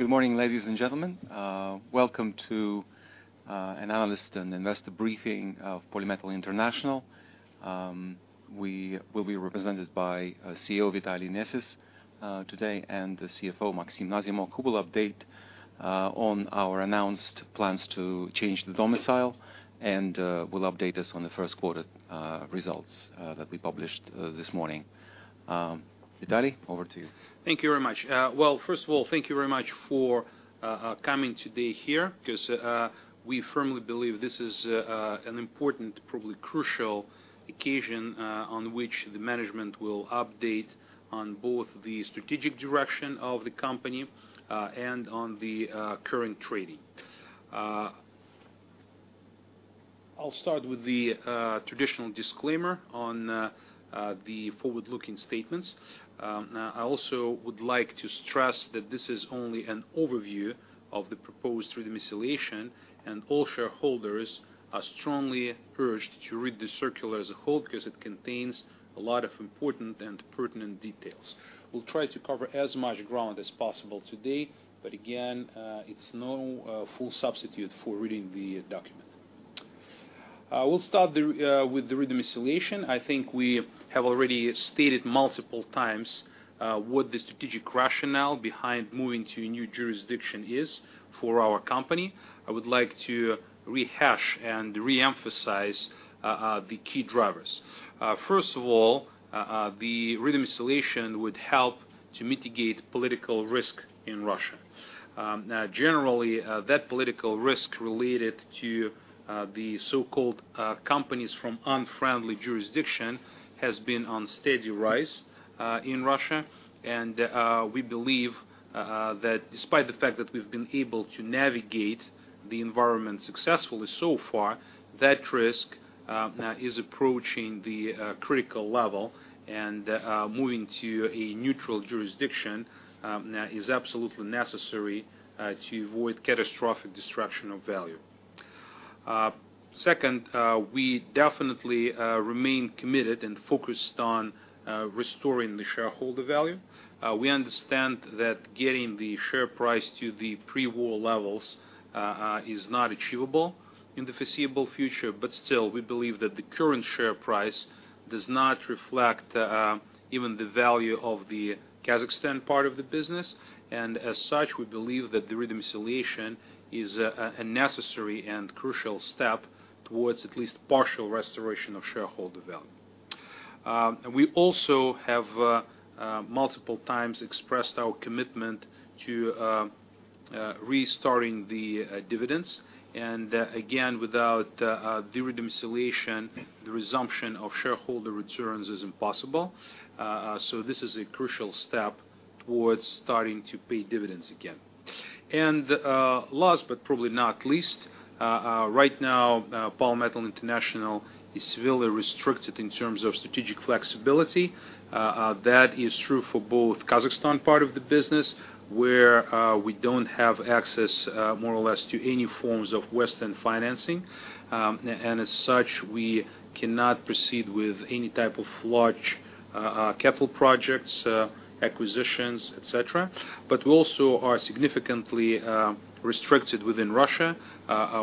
Good morning, ladies and gentlemen. Welcome to an analyst and investor briefing of Polymetal International plc. We will be represented by CEO Vitaly Nesis today, and the CFO, Maxim Nazimok, who will update on our announced plans to change the domicile and will update us on the first quarter results that we published this morning. Vitaly, over to you. Thank you very much. Well, first of all, thank you very much for coming today here because we firmly believe this is an important, probably crucial occasion, on which the management will update on both the strategic direction of the company, and on the current trading. I'll start with the traditional disclaimer on the forward-looking statements. I also would like to stress that this is only an overview of the proposed redomiciliation, and all shareholders are strongly urged to read the circular as a whole because it contains a lot of important and pertinent details. We'll try to cover as much ground as possible today, but again, it's no full substitute for reading the document. We'll start with the redomiciliation. I think we have already stated multiple times, what the strategic rationale behind moving to a new jurisdiction is for our company. I would like to rehash and re-emphasize the key drivers. First of all, the redomiciliation would help to mitigate political risk in Russia. Generally, that political risk related to the so-called companies from unfriendly jurisdiction has been on steady rise in Russia. We believe that despite the fact that we've been able to navigate the environment successfully so far, that risk is approaching the critical level, and moving to a neutral jurisdiction is absolutely necessary to avoid catastrophic destruction of value. Second, we definitely remain committed and focused on restoring the shareholder value. We understand that getting the share price to the pre-war levels is not achievable in the foreseeable future. Still, we believe that the current share price does not reflect even the value of the Kazakhstan part of the business. As such, we believe that the redomiciliation is a necessary and crucial step towards at least partial restoration of shareholder value. We also have multiple times expressed our commitment to restarting the dividends. Again, without the redomiciliation, the resumption of shareholder returns is impossible. This is a crucial step towards starting to pay dividends again. Last but probably not least, right now, Polymetal International is severely restricted in terms of strategic flexibility. That is true for both Kazakhstan part of the business, where we don't have access more or less to any forms of Western financing. As such, we cannot proceed with any type of large capital projects, acquisitions, et cetera. We also are significantly restricted within Russia,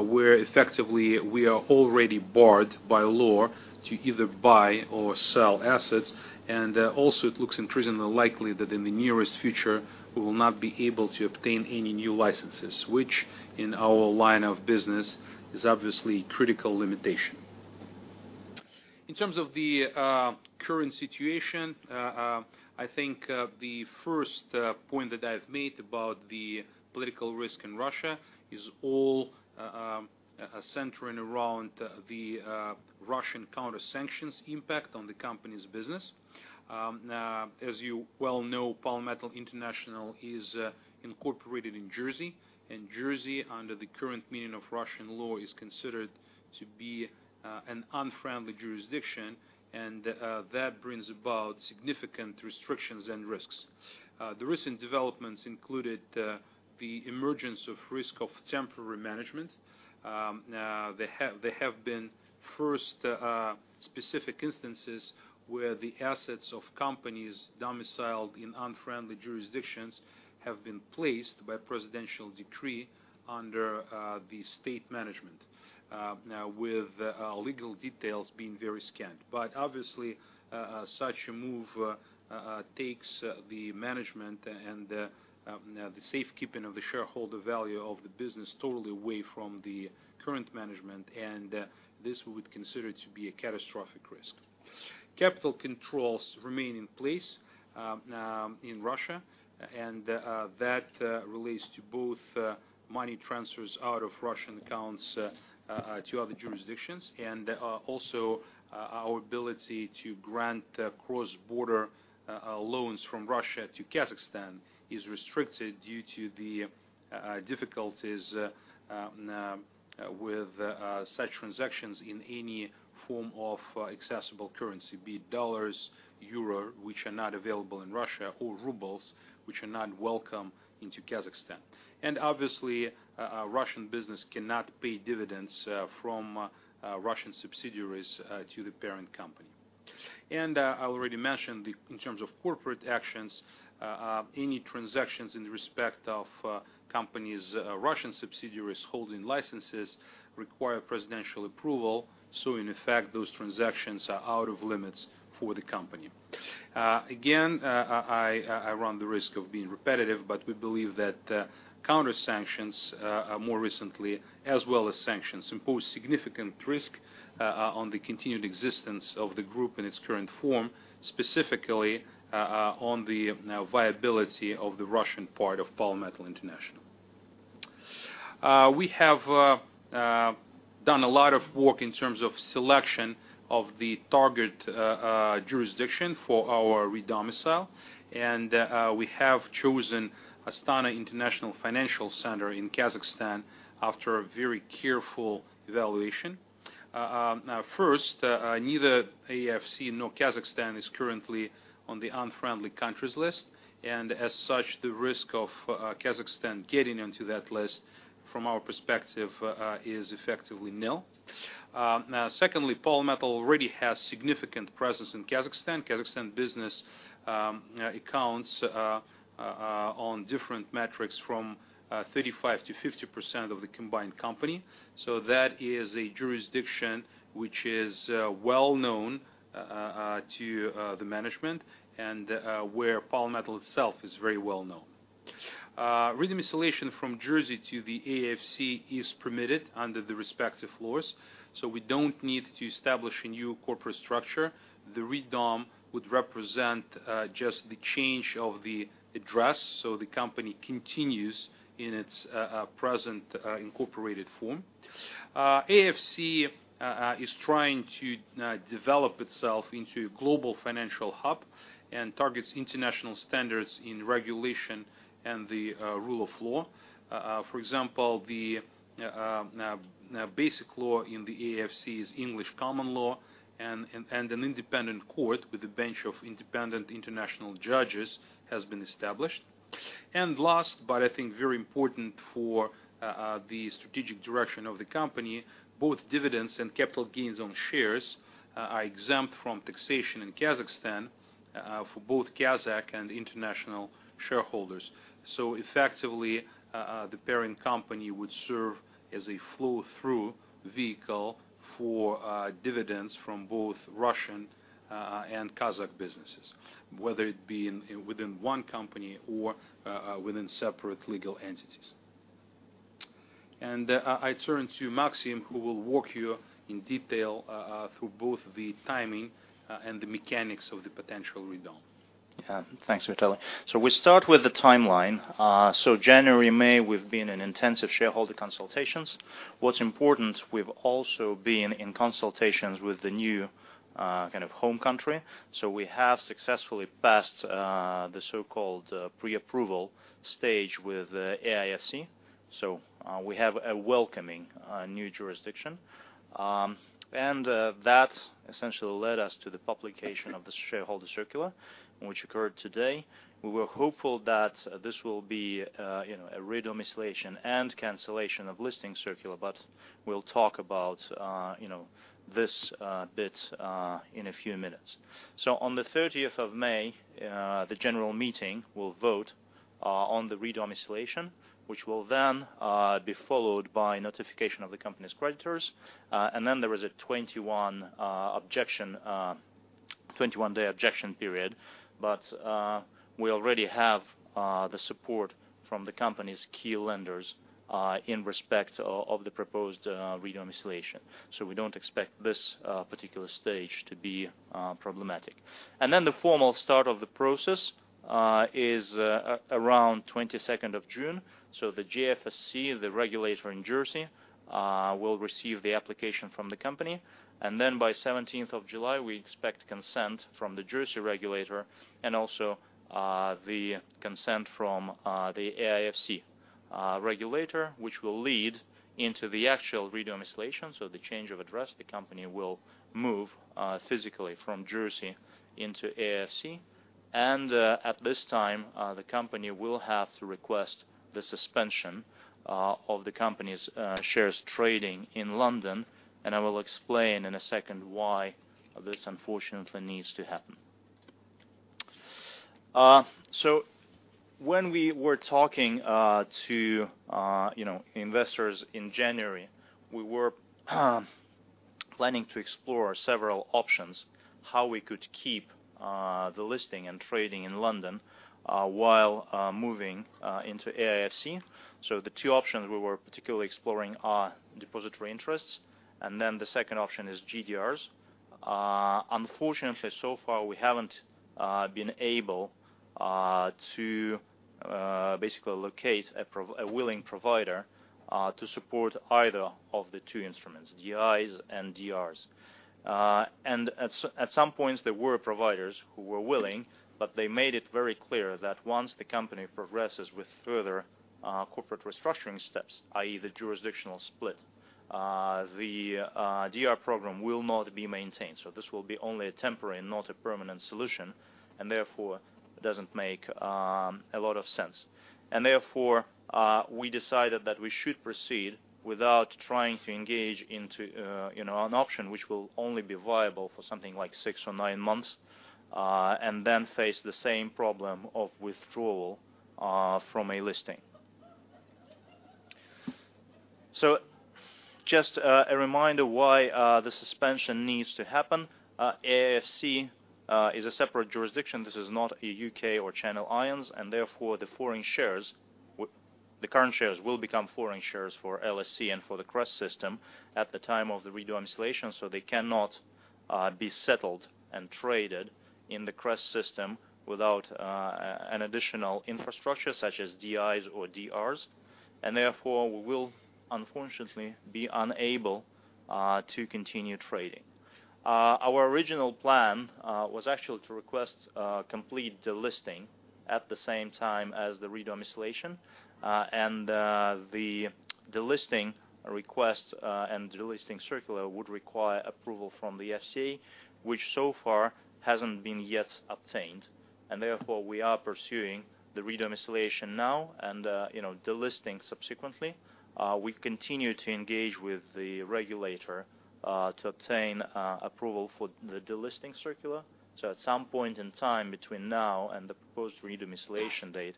where effectively we are already barred by law to either buy or sell assets. Also it looks increasingly likely that in the nearest future, we will not be able to obtain any new licenses, which in our line of business is obviously critical limitation. In terms of the current situation, I think the first point that I've made about the political risk in Russia is all centering around the Russian counter-sanctions impact on the company's business. As you well know, Polymetal International is incorporated in Jersey, and Jersey, under the current meaning of Russian law, is considered to be an unfriendly jurisdiction, and that brings about significant restrictions and risks. The recent developments included the emergence of risk of temporary management. There have been first specific instances where the assets of companies domiciled in unfriendly jurisdictions have been placed by presidential decree under the state management, with legal details being very scant. Obviously, such a move takes the management and the safekeeping of the shareholder value of the business totally away from the current management, and this we would consider to be a catastrophic risk. Capital controls remain in place in Russia, that relates to both money transfers out of Russian accounts to other jurisdictions. Also our ability to grant cross-border loans from Russia to Kazakhstan is restricted due to the difficulties with such transactions in any form of accessible currency, be it dollars, euro, which are not available in Russia, or rubles, which are not welcome into Kazakhstan. Obviously, Russian business cannot pay dividends from Russian subsidiaries to the parent company. I already mentioned, in terms of corporate actions, any transactions in respect of companies' Russian subsidiaries holding licenses require presidential approval. In effect, those transactions are out of limits for the company. Again, I run the risk of being repetitive. We believe that counter-sanctions, more recently as well as sanctions impose significant risk on the continued existence of the group in its current form, specifically on the viability of the Russian part of Polymetal International. We have done a lot of work in terms of selection of the target jurisdiction for our redomicile. We have chosen Astana International Financial Center in Kazakhstan after a very careful evaluation. First, neither AIFC nor Kazakhstan is currently on the unfriendly countries list. As such, the risk of Kazakhstan getting into that list from our perspective is effectively nil. Secondly, Polymetal already has significant presence in Kazakhstan. Kazakhstan business accounts on different metrics from 35%-50% of the combined company. That is a jurisdiction which is well known to the management and where Polymetal itself is very well known. Redomiciliation from Jersey to the AIFC is permitted under the respective laws, so we don't need to establish a new corporate structure. The redom would represent just the change of the address, so the company continues in its present incorporated form. AIFC is trying to develop itself into global financial hub and targets international standards in regulation and the rule of law. For example, the basic law in the AIFC is English common law and an independent court with a bench of independent international judges has been established. Last, but I think very important for the strategic direction of the company, both dividends and capital gains on shares are exempt from taxation in Kazakhstan for both Kazakh and international shareholders. Effectively, the parent company would serve as a flow-through vehicle for dividends from both Russian and Kazakh businesses, whether it be within one company or within separate legal entities. I turn to Maxim, who will walk you in detail through both the timing and the mechanics of the potential redom. Thanks, Vitaly. We start with the timeline. January, May, we've been in intensive shareholder consultations. What's important, we've also been in consultations with the new, kind of home country. We have successfully passed the so-called pre-approval stage with AIFC. We have a welcoming new jurisdiction. That essentially led us to the publication of the shareholder circular, which occurred today. We were hopeful that this will be, you know, a redomiciliation and cancellation of listing circular, but we'll talk about, you know, this bit in a few minutes. On the 30th of May, the general meeting will vote on the redomiciliation, which will then be followed by notification of the company's creditors. And then there is a 21-day objection period. We already have the support from the company's key lenders in respect of the proposed redomiciliation. We don't expect this particular stage to be problematic. The formal start of the process is around 22nd of June. The GFSC, the regulator in Jersey, will receive the application from the company. By 17th of July, we expect consent from the Jersey regulator and also the consent from the AIFC regulator, which will lead into the actual redomiciliation. The change of address, the company will move physically from Jersey into AIFC. At this time, the company will have to request the suspension of the company's shares trading in London. I will explain in a second why this unfortunately needs to happen. When we were talking, you know, to investors in January, we were planning to explore several options, how we could keep the listing and trading in London, while moving into AIFC. The two options we were particularly exploring are Depositary Interests, and then the second option is GDRs. Unfortunately, so far, we haven't been able to basically locate a willing provider to support either of the two instruments, DIs and GDRs. At some points, there were providers who were willing, but they made it very clear that once the company progresses with further corporate restructuring steps, i.e. the jurisdictional split, the GDR program will not be maintained. This will be only a temporary, not a permanent solution, and therefore it doesn't make a lot of sense. Therefore, we decided that we should proceed without trying to engage into, you know, an option which will only be viable for something like six or nine months, and then face the same problem of withdrawal from a listing. Just a reminder why the suspension needs to happen. AIFC is a separate jurisdiction. This is not a U.K. or Channel Islands, and therefore the foreign shares the current shares will become foreign shares for LSE and for the CREST system at the time of the re-domiciliation, so they cannot be settled and traded in the CREST system without an additional infrastructure such as DIs or DRs. Therefore, we will unfortunately be unable to continue trading. Our original plan was actually to request complete delisting at the same time as the re-domicilation. The delisting request and delisting circular would require approval from the FCA, which so far hasn't been yet obtained. Therefore, we are pursuing the re-domicilation now and, you know, delisting subsequently. We continue to engage with the regulator to obtain approval for the delisting circular. At some point in time between now and the proposed re-domicilation date,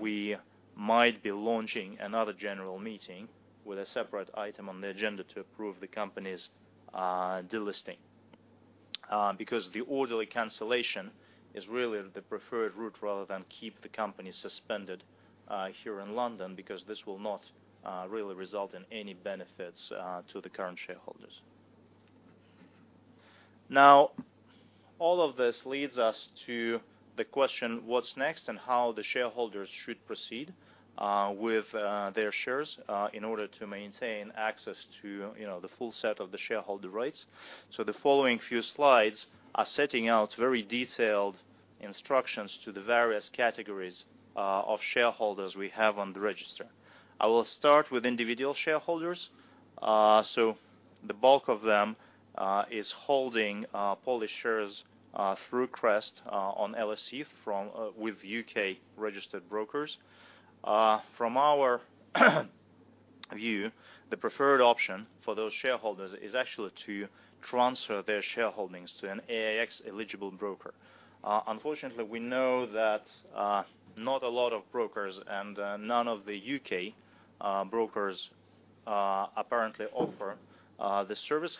we might be launching another general meeting with a separate item on the agenda to approve the company's delisting. Because the orderly cancellation is really the preferred route rather than keep the company suspended here in London because this will not really result in any benefits to the current shareholders. All of this leads us to the question, what's next and how the shareholders should proceed with their shares in order to maintain access to, you know, the full set of the shareholder rights. The following few slides are setting out very detailed instructions to the various categories of shareholders we have on the register. I will start with individual shareholders. The bulk of them is holding Poly shares through CREST on LSE with U.K. registered brokers. From our view, the preferred option for those shareholders is actually to transfer their shareholdings to an AIX-eligible broker. Unfortunately, we know that not a lot of brokers and none of the U.K. brokers apparently offer this service.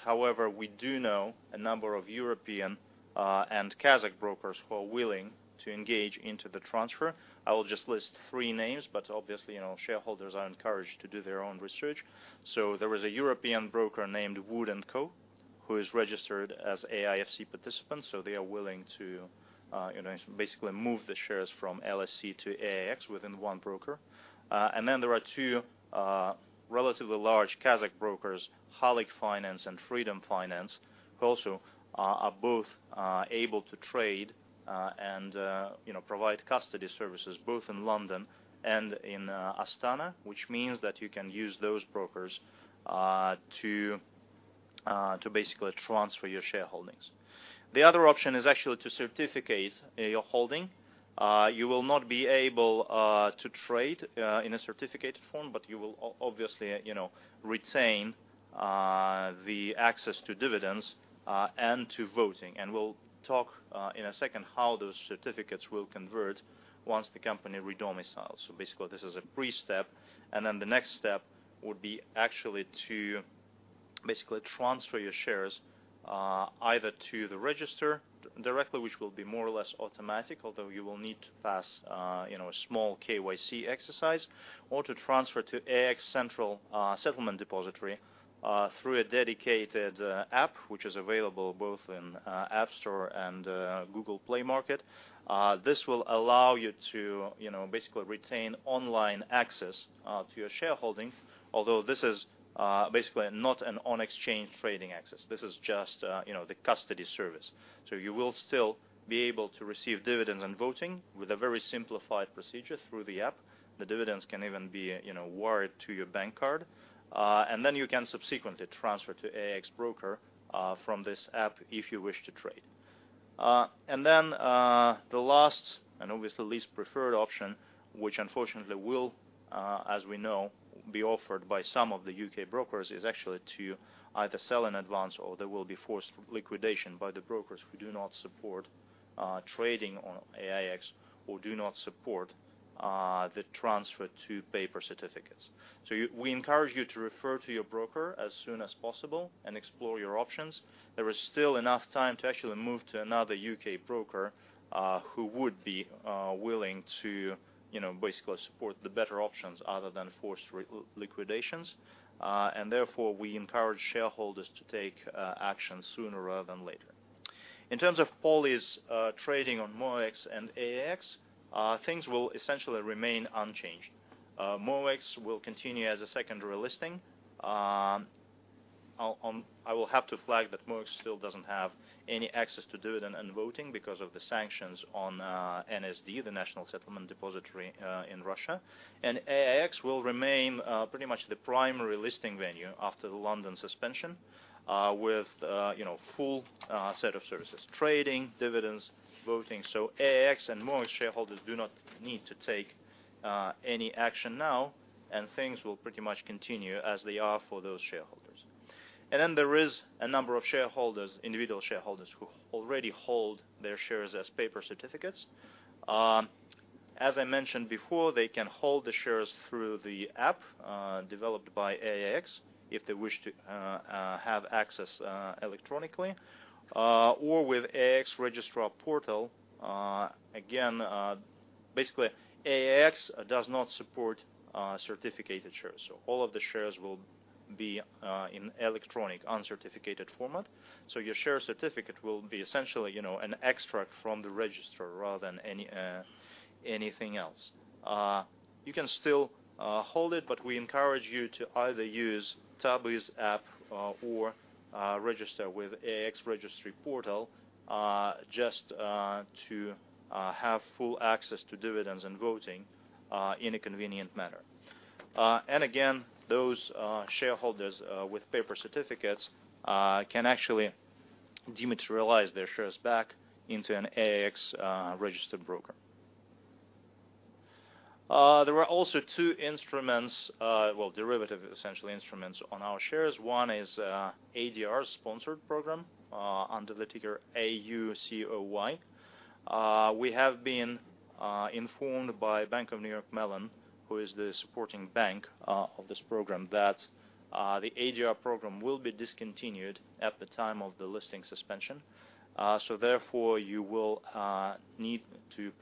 We do know a number of European and Kazakh brokers who are willing to engage into the transfer. I will just list three names, but obviously, shareholders are encouraged to do their own research. There is a European broker named WOOD & Co., who is registered as AIFC participant, so they are willing to basically move the shares from LSE to AIX within one broker. There are two, relatively large Kazakh brokers, Halyk Finance and Freedom Finance, who also are both, able to trade, and, you know, provide custody services both in London and in, Astana, which means that you can use those brokers, to basically transfer your shareholdings. The other option is actually to certificate your holding. You will not be able, to trade, in a certificate form, but you will obviously, you know, retain, the access to dividends, and to voting. We'll talk, in a second how those certificates will convert once the company re-domiciles. Basically, this is a pre-step. The next step would be actually to basically transfer your shares, either to the register directly, which will be more or less automatic, although you will need to pass, you know, a small KYC exercise, or to transfer to AIX Central Securities Depository, through a dedicated app, which is available both in App Store and Google Play market. This will allow you to, you know, basically retain online access to your shareholding, although this is basically not an on-exchange trading access. This is just, you know, the custody service. You will still be able to receive dividends and voting with a very simplified procedure through the app. The dividends can even be, you know, wired to your bank card. You can subsequently transfer to AIX broker from this app if you wish to trade. The last and obviously least preferred option, which unfortunately will, as we know, be offered by some of the U.K. brokers, is actually to either sell in advance or there will be forced liquidation by the brokers who do not support trading on AIX or do not support the transfer to paper certificates. We encourage you to refer to your broker as soon as possible and explore your options. There is still enough time to actually move to another U.K. broker who would be willing to, you know, basically support the better options other than forced liquidations. Therefore, we encourage shareholders to take action sooner rather than later. In terms of Poly's trading on MOEX and AIX, things will essentially remain unchanged. MOEX will continue as a secondary listing. I will have to flag that MOEX still doesn't have any access to do it and voting because of the sanctions on NSD, the National Settlement Depository, in Russia. AIX will remain pretty much the primary listing venue after the London suspension, with, you know, full set of services: trading, dividends, voting. AIX and MOEX shareholders do not need to take any action now, and things will pretty much continue as they are for those shareholders. Then there is a number of shareholders, individual shareholders, who already hold their shares as paper certificates. As I mentioned before, they can hold the shares through the app developed by AIX if they wish to have access electronically or with AIX Registrar portal. Again, basically, AIX does not support certificated shares, so all of the shares will be in electronic uncertificated format. Your share certificate will be essentially, you know, an extract from the register rather than anything else. You can still hold it, but we encourage you to either use Tabys app or register with AIX Registrar portal just to have full access to dividends and voting in a convenient manner. Again, those shareholders with paper certificates can actually dematerialize their shares back into an AIX registered broker. There are also two instruments, well, derivative, essentially, instruments on our shares. One is ADR sponsored program under the ticker AUCOY. We have been informed by Bank of New York Mellon, who is the supporting bank of this program, that the ADR program will be discontinued at the time of the listing suspension. Therefore, you will need to,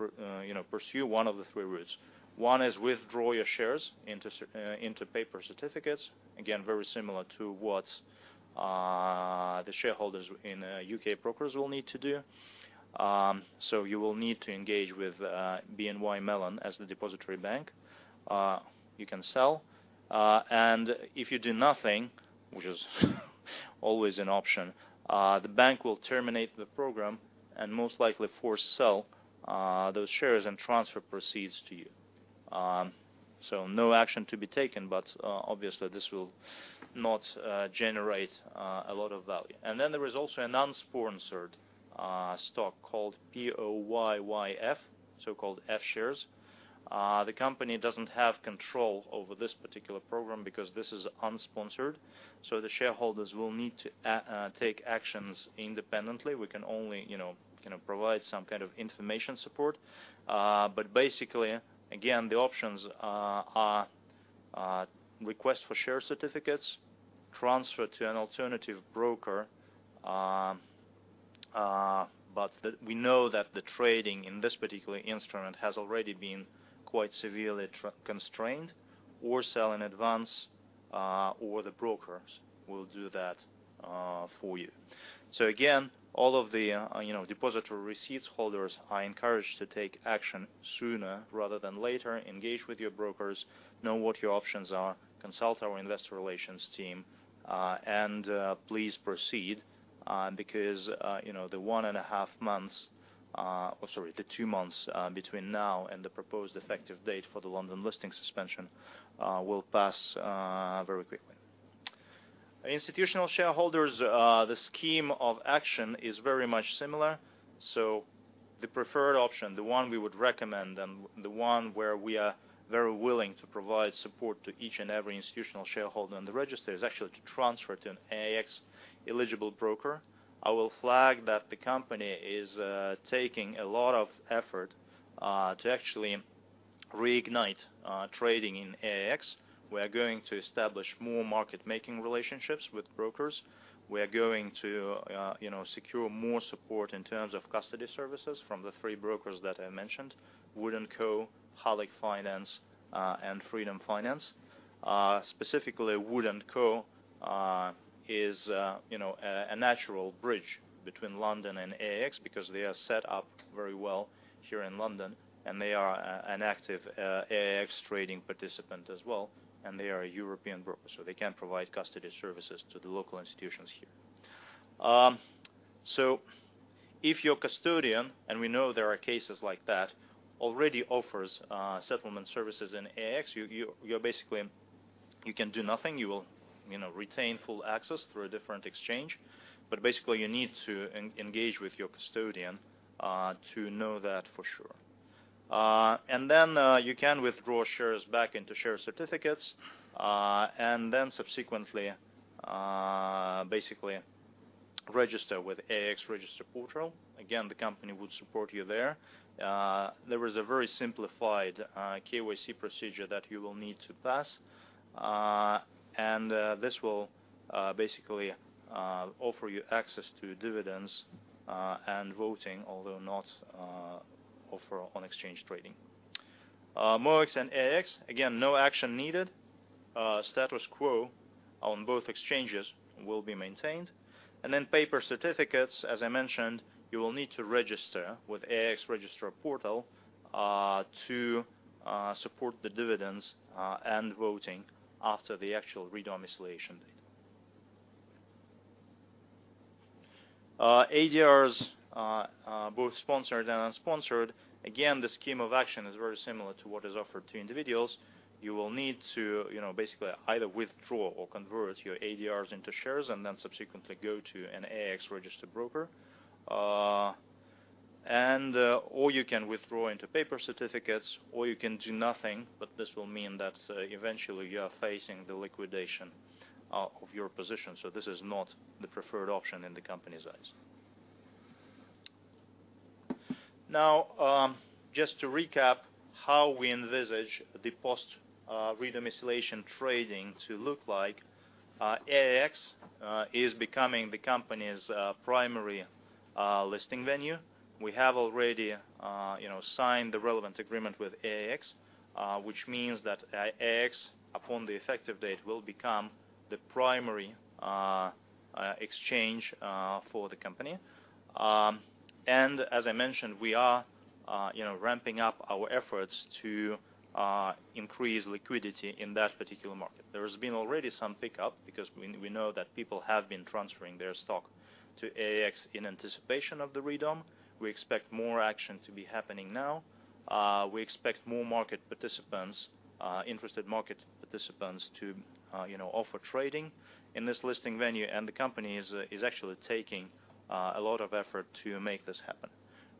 you know, pursue one of the three routes. One is withdraw your shares into paper certificates. Again, very similar to what's the shareholders in U.K. brokers will need to do. You will need to engage with BNY Mellon as the depository bank. You can sell. If you do nothing, which is always an option, the bank will terminate the program and most likely force sell those shares and transfer proceeds to you. No action to be taken, but obviously this will not generate a lot of value. There is also an unsponsored stock called POYYF, so-called F shares. The company doesn't have control over this particular program because this is unsponsored, the shareholders will need to take actions independently. We can only, you know, kinda provide some kind of information support. Basically, again, the options are, request for share certificates, transfer to an alternative broker, but we know that the trading in this particular instrument has already been quite severely constrained or sell in advance, or the brokers will do that for you. Again, all of the, you know, depository receipts holders are encouraged to take action sooner rather than later, engage with your brokers, know what your options are, consult our investor relations team, and please proceed, because, you know, the one and a half months, or sorry, the two months, between now and the proposed effective date for the London listing suspension, will pass very quickly. Institutional shareholders, the scheme of action is very much similar. The preferred option, the one we would recommend, and the one where we are very willing to provide support to each and every institutional shareholder on the register, is actually to transfer to an AIX-eligible broker. I will flag that the company is taking a lot of effort to actually reignite trading in AIX. We are going to establish more market-making relationships with brokers. We are going to, you know, secure more support in terms of custody services from the three brokers that I mentioned, WOOD & Co., Halyk Finance, and Freedom Finance. Specifically, WOOD & Co. is, you know, a natural bridge between London and AIX because they are set up very well here in London, and they are an active AIX trading participant as well, and they are a European broker, so they can provide custody services to the local institutions here. If your custodian, and we know there are cases like that, already offers settlement services in AIX, you can do nothing. You will, you know, retain full access through a different exchange. Basically, you need to engage with your custodian to know that for sure. Then, you can withdraw shares back into share certificates, and then subsequently, basically register with AIX Register Portal. Again, the company would support you there. There is a very simplified KYC procedure that you will need to pass. This will basically offer you access to dividends and voting, although not offer on exchange trading. MOEX and AIX, again, no action needed. Status quo on both exchanges will be maintained. Then paper certificates, as I mentioned, you will need to register with AIX Registrar Portal, to support the dividends and voting after the actual redomiciliation date. ADRs, both sponsored and unsponsored. Again, the scheme of action is very similar to what is offered to individuals. You will need to, you know, basically either withdraw or convert your ADRs into shares and then subsequently go to an AIX registered broker. Or you can withdraw into paper certificates, or you can do nothing, but this will mean that eventually you are facing the liquidation of your position. This is not the preferred option in the company's eyes. Now, just to recap how we envisage the post re-domiciliation trading to look like, AIX is becoming the company's primary listing venue. We have already, you know, signed the relevant agreement with AIX, which means that AIX upon the effective date will become the primary exchange for the company. As I mentioned, we are, you know, ramping up our efforts to increase liquidity in that particular market. There has been already some pickup because we know that people have been transferring their stock to AIX in anticipation of the re-dom. We expect more action to be happening now. We expect more market participants, interested market participants to, you know, offer trading in this listing venue, and the company is actually taking a lot of effort to make this happen.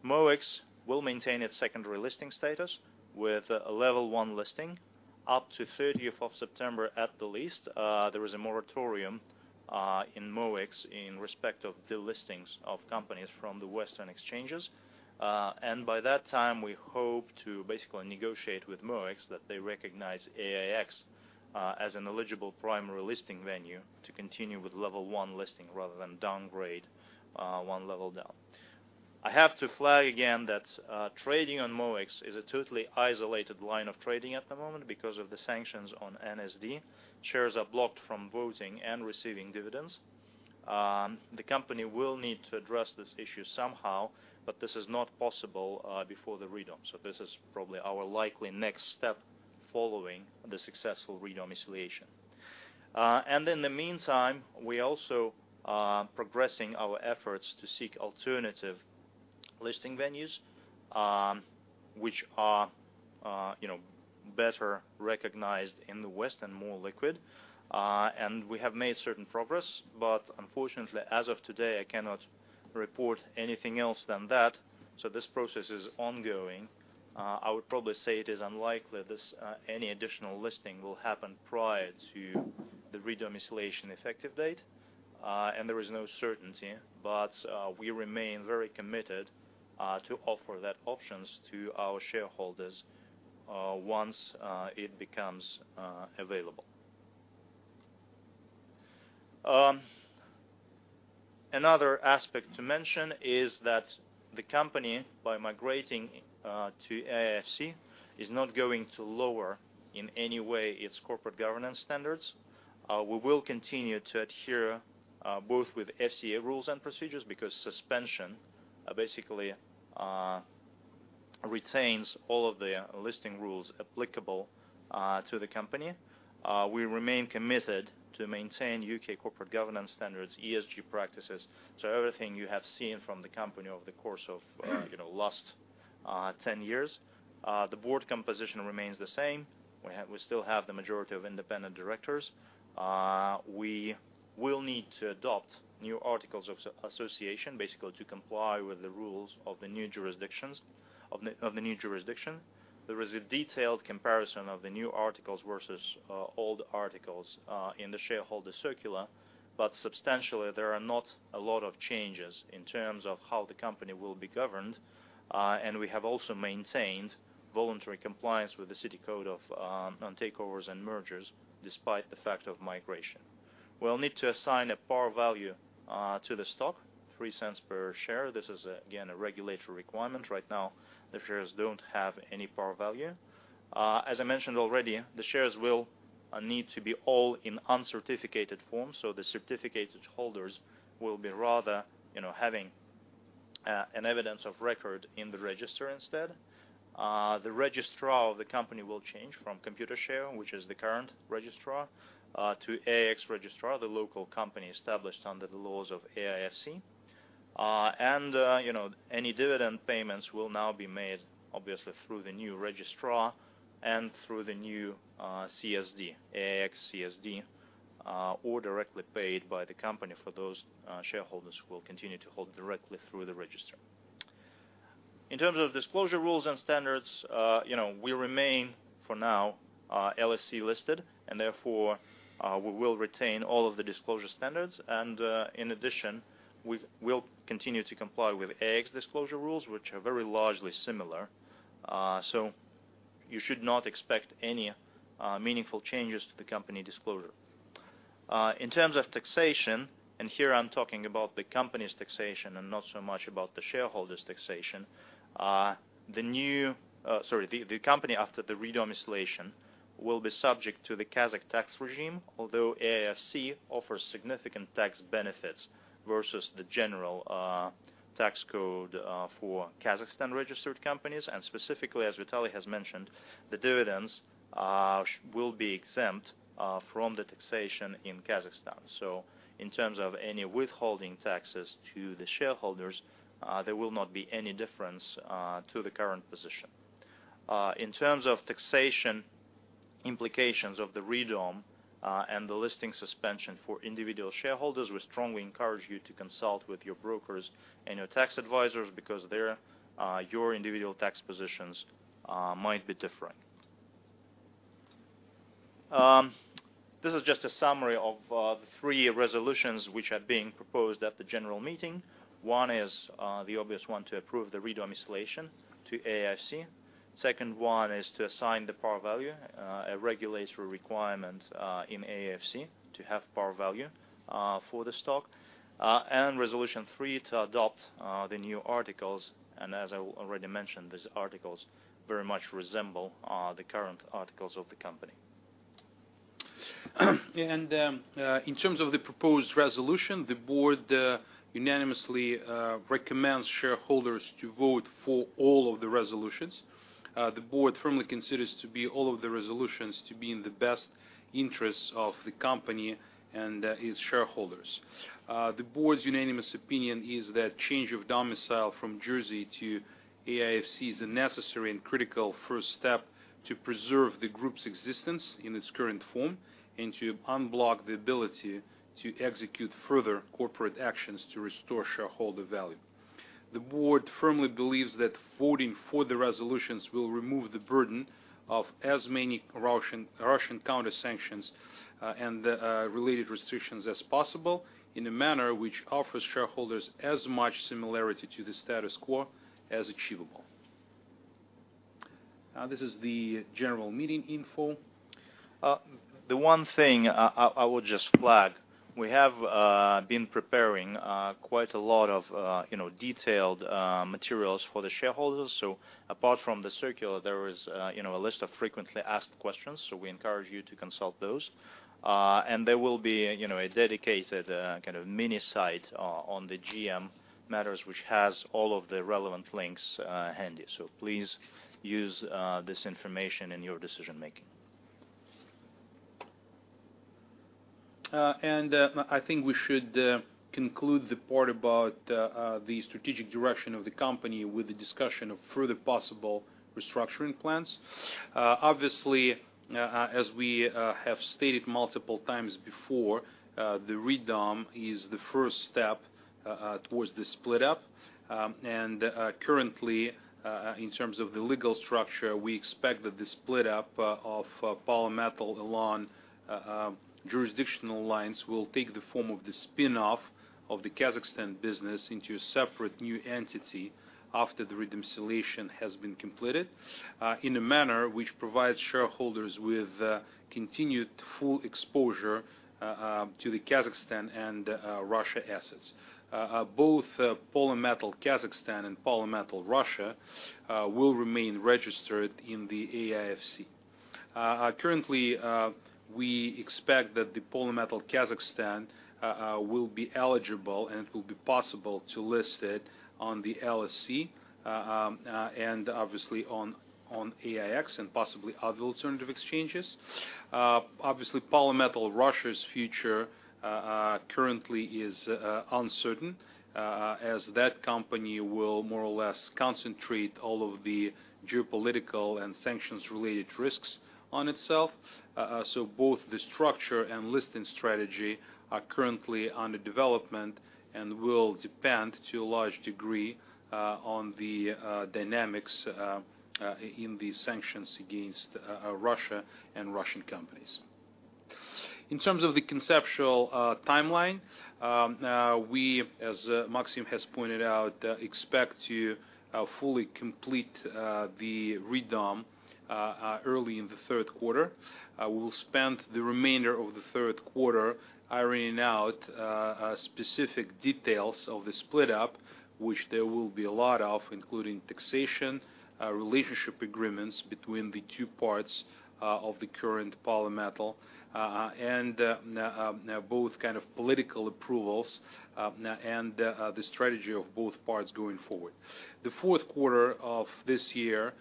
MOEX will maintain its secondary listing status with a Level 1 listing up to thirtieth of September at the least. There is a moratorium in MOEX in respect of delistings of companies from the Western exchanges. By that time, we hope to basically negotiate with MOEX that they recognize AIX as an eligible primary listing venue to continue with Level 1 listing rather than downgrade one level down. I have to flag again that trading on MOEX is a totally isolated line of trading at the moment because of the sanctions on NSD. Shares are blocked from voting and receiving dividends. The company will need to address this issue somehow, but this is not possible before the re-dom. This is probably our likely next step following the successful re-domiciliation. In the meantime, we also are progressing our efforts to seek alternative listing venues, which are, you know, better recognized in the West and more liquid. We have made certain progress, but unfortunately as of today I cannot report anything else than that, so this process is ongoing. I would probably say it is unlikely this any additional listing will happen prior to the re-domiciliation effective date, and there is no certainty. We remain very committed to offer that options to our shareholders once it becomes available. Another aspect to mention is that the company, by migrating to AIFC, is not going to lower in any way its corporate governance standards. We will continue to adhere both with FCA rules and procedures because suspension basically retains all of the listing rules applicable to the company. We remain committed to maintain U.K. corporate governance standards, ESG practices, so everything you have seen from the company over the course of, you know, last 10 years. The board composition remains the same. We still have the majority of independent directors. We will need to adopt new articles of association, basically to comply with the rules of the new jurisdictions, of the new jurisdiction. There is a detailed comparison of the new articles versus old articles in the shareholder circular, but substantially there are not a lot of changes in terms of how the company will be governed. We have also maintained voluntary compliance with the City Code on Takeovers and Mergers despite the fact of migration. We'll need to assign a par value to the stock, $0.03 per share. This is again, a regulatory requirement. Right now, the shares don't have any par value. As I mentioned already, the shares will need to be all in uncertificated form, so the certificated holders will be rather, you know, having an evidence of record in the register instead. The registrar of the company will change from Computershare, which is the current registrar, to AIX Registrar, the local company established under the laws of AIFC. You know, any dividend payments will now be made obviously through the new registrar and through the new CSD, AIX CSD, or directly paid by the company for those shareholders who will continue to hold directly through the register. In terms of disclosure rules and standards, you know, we remain, for now, LSE listed and therefore, we will retain all of the disclosure standards and, in addition, we will continue to comply with AIX disclosure rules, which are very largely similar. You should not expect any meaningful changes to the company disclosure. In terms of taxation, here I'm talking about the company's taxation and not so much about the shareholders taxation. sorry. The company after the re-domiciliation will be subject to the Kazakh tax regime, although AIFC offers significant tax benefits versus the general Tax Code for Kazakhstan-registered companies, and specifically, as Vitaly has mentioned, the dividends will be exempt from the taxation in Kazakhstan. In terms of any withholding taxes to the shareholders, there will not be any difference to the current position. In terms of taxation implications of the redom and the listing suspension for individual shareholders, we strongly encourage you to consult with your brokers and your tax advisors because their individual tax positions might be different. This is just a summary of the three resolutions which are being proposed at the general meeting. 1 is the obvious 1 to approve the re-domiciliation to AIFC. Two is to assign the par value, a regulatory requirement in AIFC to have par value for the stock. Resolution 3 to adopt the new articles, and as I already mentioned, these articles very much resemble the current articles of the company. In terms of the proposed resolution, the board unanimously recommends shareholders to vote for all of the resolutions. The board firmly considers to be all of the resolutions to be in the best interests of the company and its shareholders. The board's unanimous opinion is that change of domicile from Jersey to AIFC is a necessary and critical first step to preserve the group's existence in its current form and to unblock the ability to execute further corporate actions to restore shareholder value. The board firmly believes that voting for the resolutions will remove the burden of as many Russian counter-sanctions and related restrictions as possible in a manner which offers shareholders as much similarity to the status quo as achievable. This is the general meeting info. The one thing I will just flag, we have been preparing quite a lot of, you know, detailed materials for the shareholders. Apart from the circular, there is, you know, a list of frequently asked questions, so we encourage you to consult those. There will be, you know, a dedicated kind of mini site on the GM matters, which has all of the relevant links handy. Please use this information in your decision-making. I think we should conclude the part about the strategic direction of the company with the discussion of further possible restructuring plans. Obviously, as we have stated multiple times before, the redom is the first step towards the split-up. Currently, in terms of the legal structure, we expect that the split-up of Polymetal along jurisdictional lines will take the form of the spin-off of the Kazakhstan business into a separate new entity after the redomiciliation has been completed, in a manner which provides shareholders with continued full exposure to the Kazakhstan and Russia assets. Both Polymetal Kazakhstan and Polymetal Russia will remain registered in the AIFC. Currently, we expect that Polymetal Kazakhstan will be eligible, and it will be possible to list it on the LSE, and obviously on AIX and possibly other alternative exchanges. Obviously, Polymetal Russia's future currently is uncertain, as that company will more or less concentrate all of the geopolitical and sanctions-related risks on itself. Both the structure and listing strategy are currently under development and will depend, to a large degree, on the dynamics in the sanctions against Russia and Russian companies. In terms of the conceptual timeline, we, as Maxim has pointed out, expect to fully complete the redom early in the third quarter. We'll spend the remainder of the third quarter ironing out specific details of the split up, which there will be a lot of, including taxation, relationship agreements between the two parts of the current Polymetal and both kind of political approvals and the strategy of both parts going forward. The fourth quarter of this year,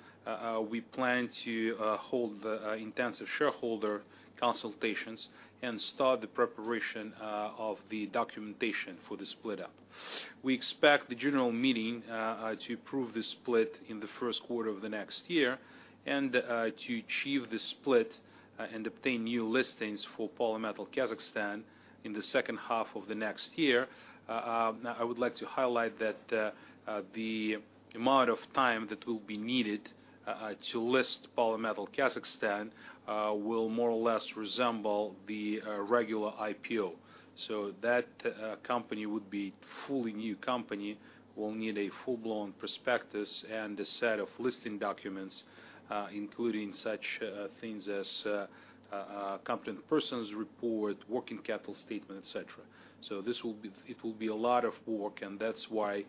we plan to hold intensive shareholder consultations and start the preparation of the documentation for the split up. We expect the general meeting to approve the split in the first quarter of the next year and to achieve the split and obtain new listings for Polymetal Kazakhstan in the second half of the next year. I would like to highlight that the amount of time that will be needed to list Polymetal Kazakhstan will more or less resemble the regular IPO. That company would be fully new company, will need a full-blown prospectus and a set of listing documents, including such things as Competent Person's Report, working capital statement, et cetera. This will be a lot of work, and that's why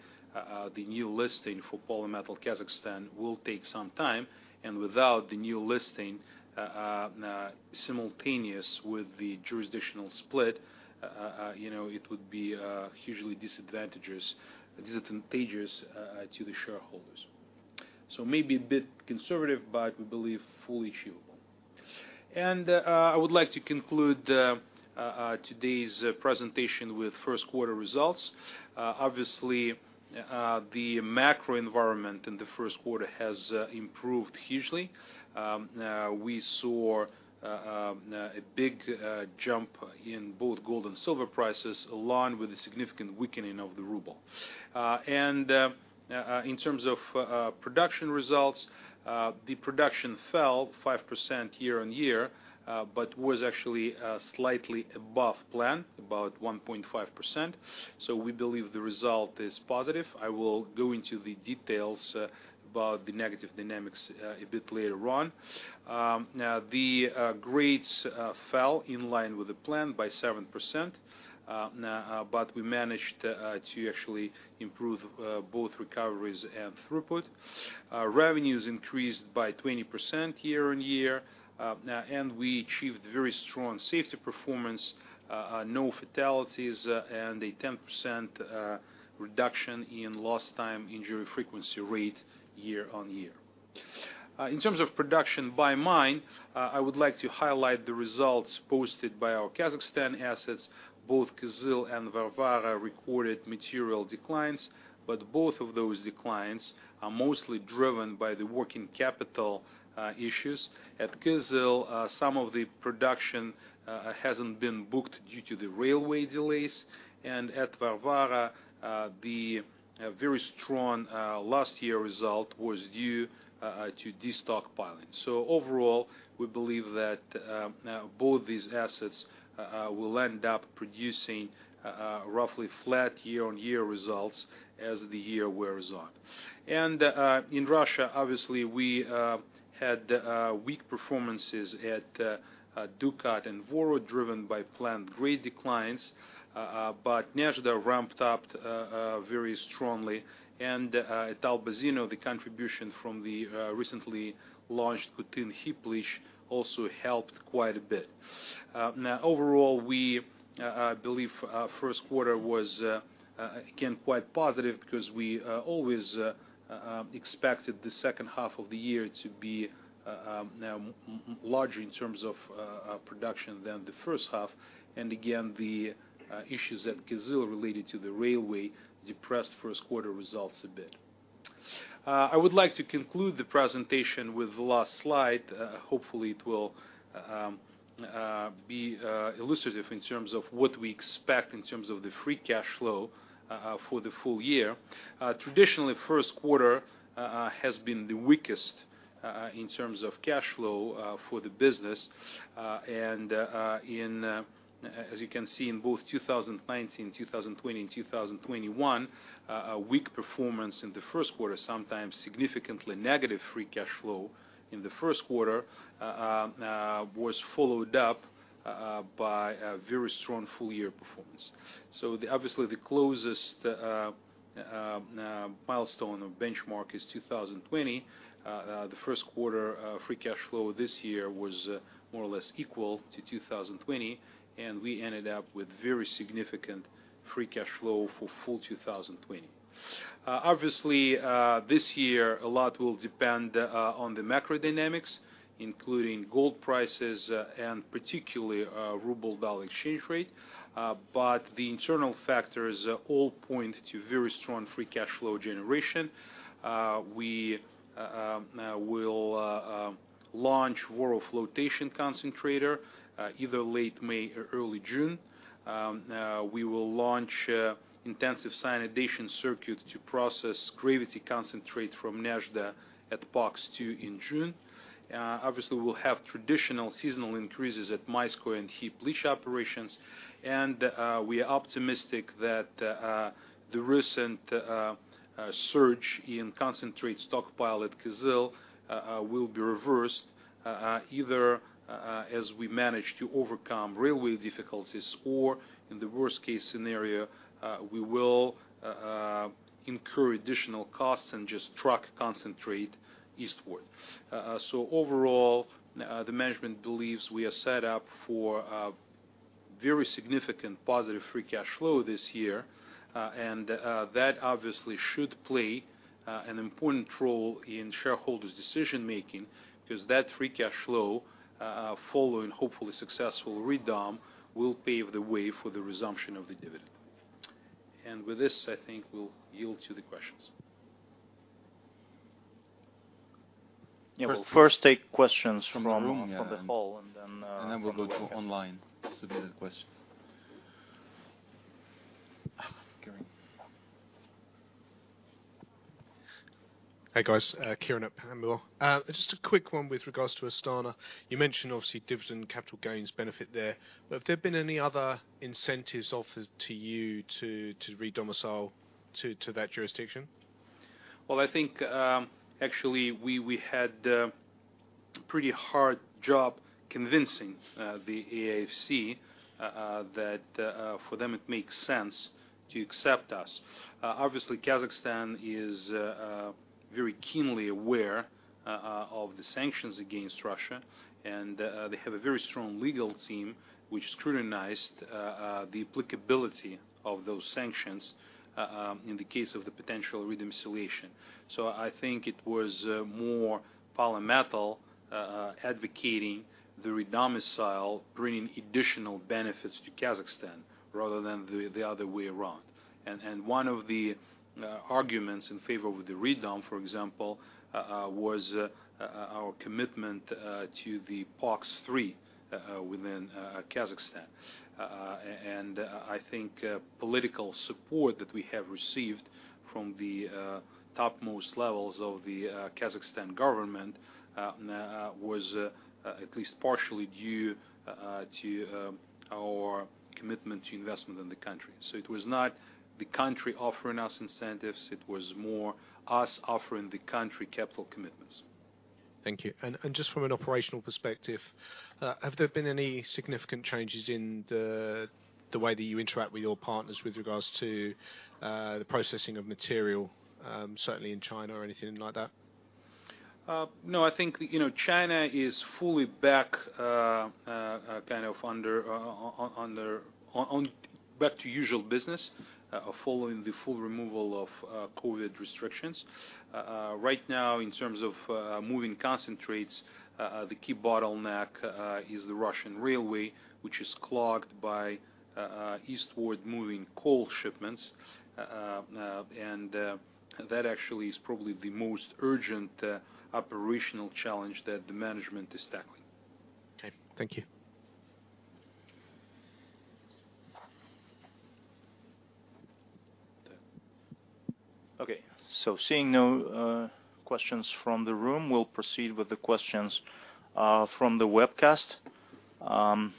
the new listing for Polymetal Kazakhstan will take some time. Without the new listing, simultaneous with the jurisdictional split, you know, it would be hugely disadvantages to the shareholders. Maybe a bit conservative, but we believe fully achievable. I would like to conclude today's presentation with first quarter results. Obviously, the macro environment in the first quarter has improved hugely. We saw a big jump in both gold and silver prices, along with a significant weakening of the ruble. In terms of production results, the production fell 5% year-on-year, but was actually slightly above plan, about 1.5%. We believe the result is positive. I will go into the details about the negative dynamics a bit later on. The grades fell in line with the plan by 7%, but we managed to actually improve both recoveries and throughput. Revenues increased by 20% year-on-year. We achieved very strong safety performance, no fatalities, and a 10% reduction in lost time injury frequency rate year-on-year. In terms of production by mine, I would like to highlight the results posted by our Kazakhstan assets. Both Kyzyl and Varvara recorded material declines, both of those declines are mostly driven by the working capital issues. At Kyzyl, some of the production hasn't been booked due to the railway delays. At Varvara, the very strong last year result was due to destockpiling. Overall, we believe that both these assets will end up producing roughly flat year-on-year results as the year wears on. In Russia, obviously, we had weak performances at Dukat and Voro driven by plant grade declines, but Nezhda ramped up very strongly. At Albazino, the contribution from the recently launched Kutyn heap leach also helped quite a bit. Now overall, we believe first quarter was again quite positive because we always expected the second half of the year to be larger in terms of production than the first half. Again, the issues at Kyzyl related to the railway depressed first quarter results a bit. I would like to conclude the presentation with the last slide. Hopefully, it will be illustrative in terms of what we expect in terms of the free cash flow for the full year. Traditionally, first quarter has been the weakest in terms of cash flow for the business. As you can see, in both 2019, 2020, and 2021, a weak performance in the first quarter, sometimes significantly negative free cash flow in the first quarter, was followed up by a very strong full-year performance. Obviously, the closest milestone or benchmark is 2020. The first quarter free cash flow this year was more or less equal to 2020, and we ended up with very significant free cash flow for full 2020. Obviously, this year, a lot will depend on the macro dynamics, including gold prices, and particularly our ruble-dollar exchange rate. The internal factors all point to very strong free cash flow generation. We will launch Voro flotation concentrator either late May or early June. We will launch intensive cyanidation circuit to process gravity concentrate from Nezhda at POX-2 in June. Obviously, we'll have traditional seasonal increases at Mayskoye and heap leach operations. We are optimistic that the recent surge in concentrate stockpile at Kyzyl will be reversed either as we manage to overcome railway difficulties, or in the worst case scenario, we will incur additional costs and just truck concentrate eastward. Overall, the management believes we are set up for a very significant positive free cash flow this year. That obviously should play an important role in shareholders' decision-making, because that free cash flow, following hopefully successful redom, will pave the way for the resumption of the dividend. With this, I think we'll yield to the questions. Yeah. We'll first take questions from the- From the hall, and then. We'll go to online submitted questions. Kieron. Hey, guys, Kieron at Panmure. Just a quick one with regards to Astana. You mentioned obviously dividend capital gains benefit there. Have there been any other incentives offered to you to redomicile to that jurisdiction? Well, I think, actually, we had pretty hard job convincing the AIFC that for them, it makes sense to accept us. Obviously Kazakhstan is very keenly aware of the sanctions against Russia, and they have a very strong legal team which scrutinized the applicability of those sanctions in the case of the potential redomiciliation. I think it was more Polymetal advocating the redomicile, bringing additional benefits to Kazakhstan rather than the other way around. One of the arguments in favor of the redom, for example, was our commitment to the POX-3 within Kazakhstan. I think political support that we have received from the topmost levels of the Kazakhstan government was at least partially due to our commitment to investment in the country. It was not the country offering us incentives, it was more us offering the country capital commitments. Thank you. Just from an operational perspective, have there been any significant changes in the way that you interact with your partners with regards to the processing of material, certainly in China or anything like that? No, I think, you know, China is fully back, kind of back to usual business, following the full removal of COVID restrictions. Right now, in terms of moving concentrates, the key bottleneck is the Russian railway, which is clogged by eastward moving coal shipments. That actually is probably the most urgent operational challenge that the management is tackling. Okay. Thank you. Okay. Seeing no questions from the room, we'll proceed with the questions from the webcast. Are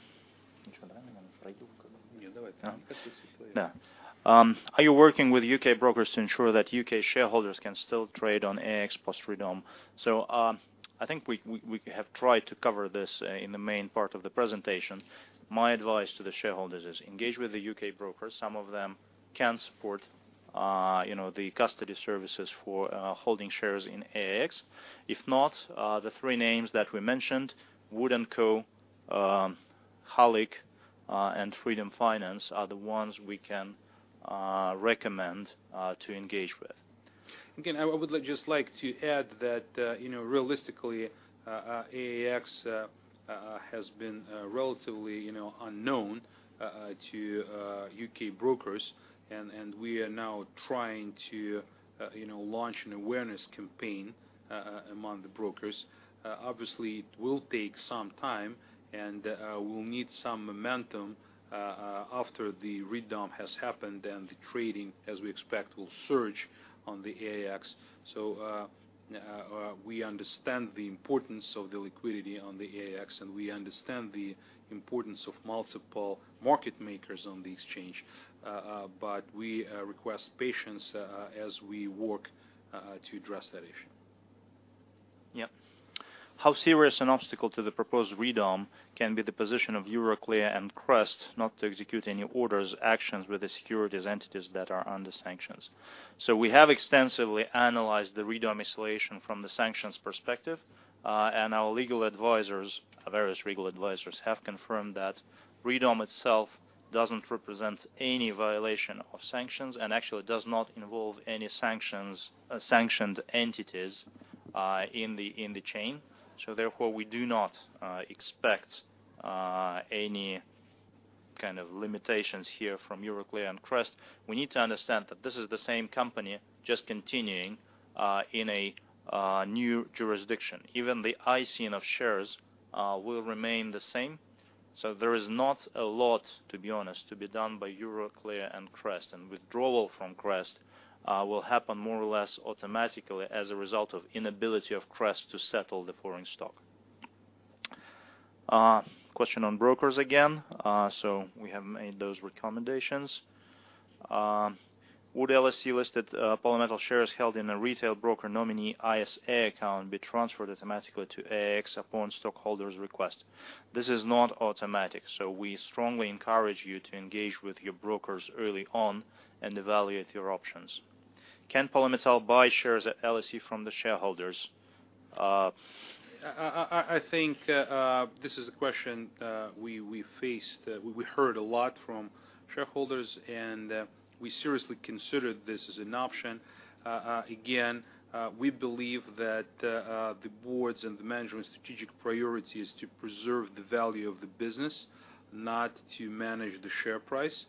you working with U.K. brokers to ensure that U.K. shareholders can still trade on AIX plus Freedom? I think we have tried to cover this in the main part of the presentation. My advice to the shareholders is engage with the U.K. brokers. Some of them can support, you know, the custody services for holding shares in AIX. If not, the three names that we mentioned, WOOD & Co., Halyk, and Freedom Finance are the ones we can recommend to engage with. Again, I would just like to add that, you know, realistically, AIX has been relatively, you know, unknown to U.K. brokers. We are now trying to, you know, launch an awareness campaign among the brokers. Obviously, it will take some time and we'll need some momentum after the redom has happened and the trading, as we expect, will surge on the AIX. We understand the importance of the liquidity on the AIX, and we understand the importance of multiple market makers on the exchange. We request patience as we work to address that issue. How serious an obstacle to the proposed redom can be the position of Euroclear and CREST not to execute any orders, actions with the securities entities that are under sanctions? We have extensively analyzed the redomiciliation from the sanctions perspective, and our legal advisors, various legal advisors, have confirmed that redom itself doesn't represent any violation of sanctions and actually does not involve any sanctioned entities in the chain. Therefore, we do not expect any kind of limitations here from Euroclear and CREST. We need to understand that this is the same company just continuing in a new jurisdiction. Even the ISIN of shares will remain the same. There is not a lot, to be honest, to be done by Euroclear and CREST. Withdrawal from CREST will happen more or less automatically as a result of inability of CREST to settle the foreign stock. Question on brokers again. We have made those recommendations. Would LSE-listed Polymetal shares held in a retail broker nominee ISA account be transferred automatically to AIX upon stockholders request? This is not automatic, so we strongly encourage you to engage with your brokers early on and evaluate your options. Can Polymetal buy shares at LSE from the shareholders? I think this is a question we faced. We heard a lot from shareholders, and we seriously considered this as an option. Again, we believe that the boards and the management strategic priority is to preserve the value of the business, not to manage the share price.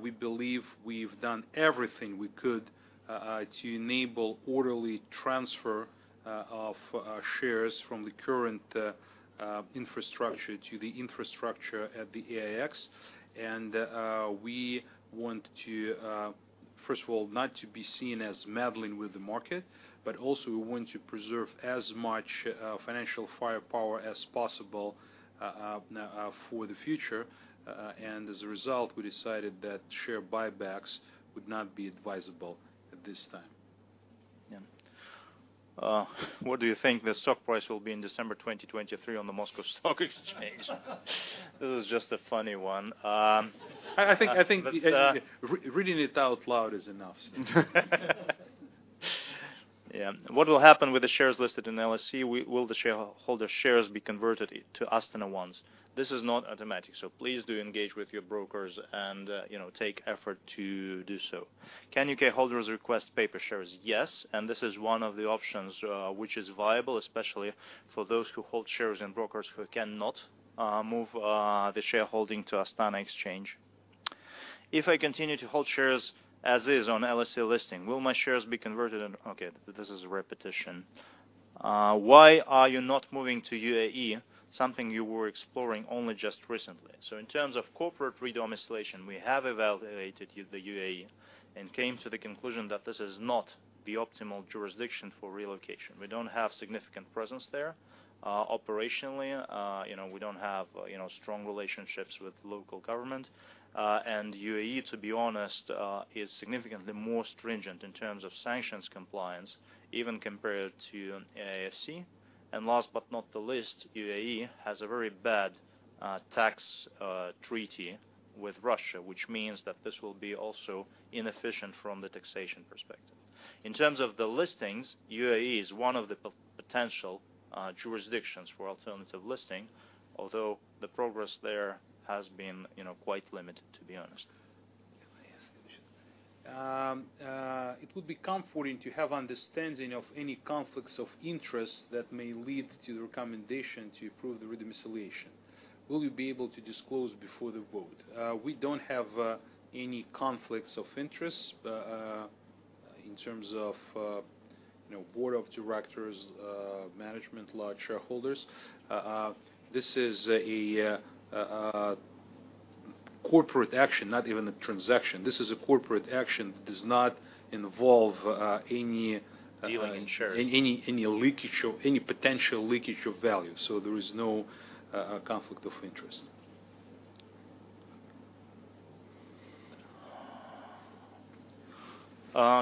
We believe we've done everything we could to enable orderly transfer of shares from the current infrastructure to the infrastructure at the AIX. We want to, first of all, not to be seen as meddling with the market, but also we want to preserve as much financial firepower as possible for the future. As a result, we decided that share buybacks would not be advisable at this time. Yeah. What do you think the stock price will be in December 2023 on the Moscow Exchange? This is just a funny one. I think reading it out loud is enough. What will happen with the shares listed in LSE? Will the shareholder shares be converted to Astana ones? This is not automatic, so please do engage with your brokers and, you know, take effort to do so. Can U.K. holders request paper shares? Yes, this is one of the options which is viable, especially for those who hold shares and brokers who cannot move the shareholding to Astana exchange. If I continue to hold shares as is on LSE listing, will my shares be converted? Why are you not moving to UAE, something you were exploring only just recently? In terms of corporate redomiciliation, we have evaluated the UAE and came to the conclusion that this is not the optimal jurisdiction for relocation. We don't have significant presence there, operationally. you know, we don't have, you know, strong relationships with local government. UAE, to be honest, is significantly more stringent in terms of sanctions compliance, even compared to AIFC. Last but not the least, UAE has a very bad tax treaty with Russia, which means that this will be also inefficient from the taxation perspective. In terms of the listings, UAE is one of the potential jurisdictions for alternative listing, although the progress there has been, you know, quite limited, to be honest. It would be comforting to have understanding of any conflicts of interest that may lead to the recommendation to approve the redomiciliation. Will you be able to disclose before the vote? We don't have any conflicts of interest in terms of, you know, board of directors, management, large shareholders. This is a corporate action, not even a transaction. This is a corporate action that does not involve. Dealing in shares. Any leakage of any potential leakage of value, so there is no conflict of interest.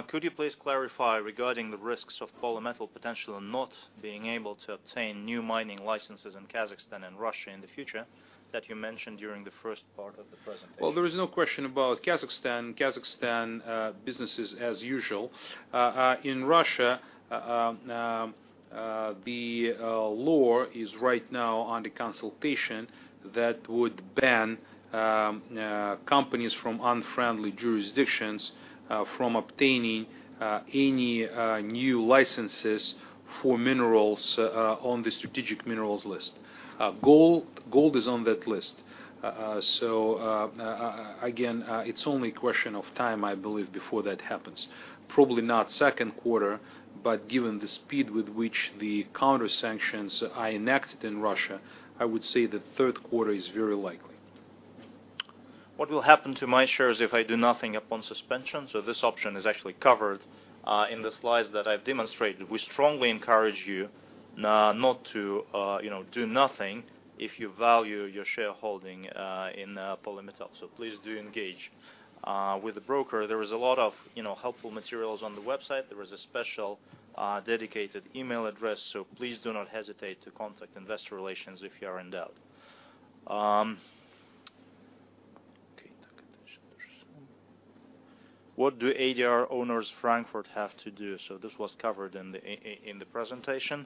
Could you please clarify regarding the risks of Polymetal potential and not being able to obtain new mining licenses in Kazakhstan and Russia in the future that you mentioned during the first part of the presentation? Well, there is no question about Kazakhstan. Kazakhstan, business is as usual. In Russia, the law is right now under consultation that would ban companies from unfriendly jurisdictions from obtaining any new licenses for minerals on the strategic minerals list. Gold is on that list. Again, it's only a question of time, I believe, before that happens. Probably not second quarter, but given the speed with which the counter-sanctions are enacted in Russia, I would say that third quarter is very likely. What will happen to my shares if I do nothing upon suspension? This option is actually covered in the slides that I've demonstrated. We strongly encourage you not to, you know, do nothing if you value your shareholding in Polymetal. Please do engage with the broker. There is a lot of, you know, helpful materials on the website. There is a special dedicated email address. Please do not hesitate to contact investor relations if you are in doubt. What do ADR owners Frankfurt have to do? This was covered in the presentation.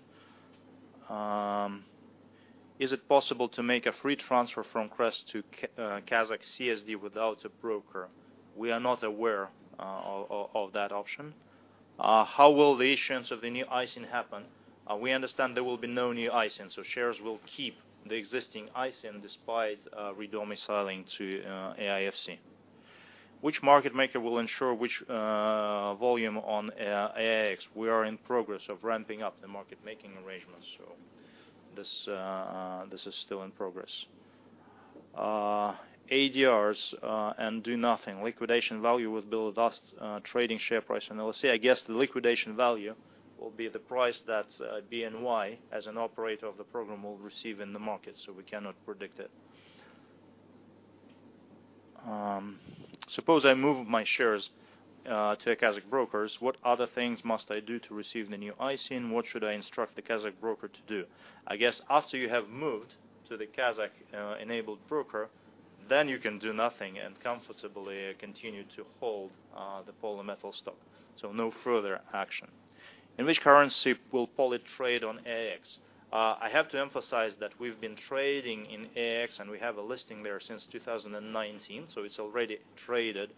Is it possible to make a free transfer from CREST to Kazakh CSD without a broker? We are not aware of that option. How will the issuance of the new ISIN happen? We understand there will be no new ISIN, so shares will keep the existing ISIN despite redomiciling to AIFC. Which market maker will ensure which volume on AIX? We are in progress of ramping up the market making arrangements, so this is still in progress. ADRs and do nothing. Liquidation value will build last trading share price on LSE. I guess the liquidation value will be the price that BNY, as an operator of the program, will receive in the market, so we cannot predict it. Suppose I move my shares to a Kazakh brokers, what other things must I do to receive the new ISIN? What should I instruct the Kazakh broker to do? I guess after you have moved to the Kazakh enabled broker, then you can do nothing and comfortably continue to hold the Polymetal stock. No further action. In which currency will Poly trade on AIX? I have to emphasize that we've been trading in AIX, and we have a listing there since 2019, so it's already traded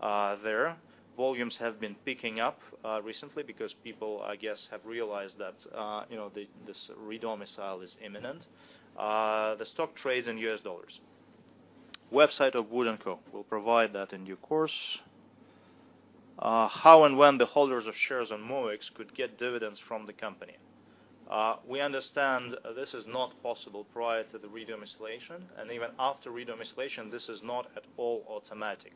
there. Volumes have been picking up recently because people, I guess, have realized that, you know, this redomicile is imminent. The stock trades in US dollars. Website of WOOD & Co. will provide that in due course. How and when the holders of shares on MOEX could get dividends from the company? We understand this is not possible prior to the redomiciliation, and even after redomiciliation, this is not at all automatic.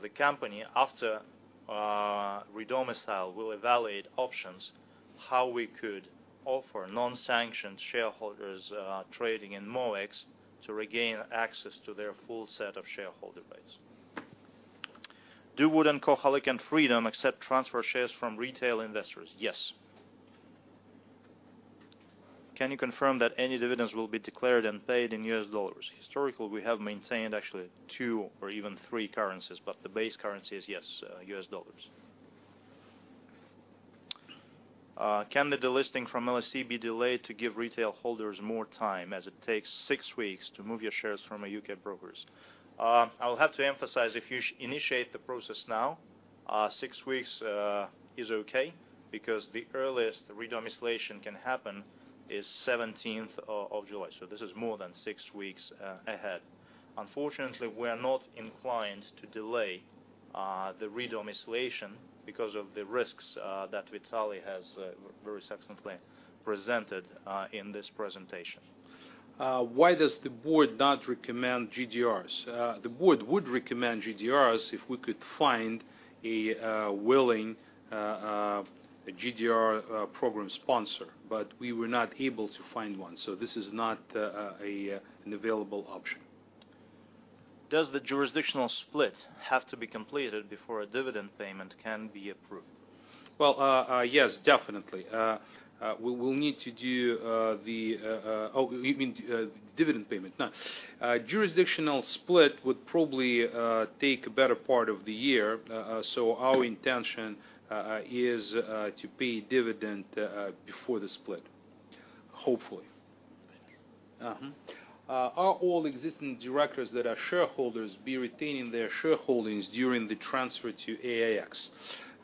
The company, after redomicile, will evaluate options, how we could offer non-sanctioned shareholders trading in MOEX to regain access to their full set of shareholder rights. Do Wood & Company and Freedom accept transfer shares from retail investors? Yes. Can you confirm that any dividends will be declared and paid in US dollars? Historically, we have maintained actually two or even three currencies, but the base currency is, yes, U.S. dollars. Can the delisting from LSE be delayed to give retail holders more time as it takes six weeks to move your shares from a U.K. brokers? I'll have to emphasize, if you initiate the process now, six weeks is okay because the earliest the redomiciliation can happen is 17th of July. This is more than six weeks ahead. Unfortunately, we are not inclined to delay the redomiciliation because of the risks that Vitaly has very succinctly presented in this presentation. Why does the board not recommend GDRs? The board would recommend GDRs if we could find a willing GDR program sponsor, but we were not able to find one, so this is not an available option. Does the jurisdictional split have to be completed before a dividend payment can be approved? Well, yes, definitely. We will need to do the... Oh, you mean dividend payment? No. Jurisdictional split would probably take a better part of the year, so our intention is to pay dividend before the split, hopefully. Thanks. Are all existing directors that are shareholders be retaining their shareholdings during the transfer to AIX?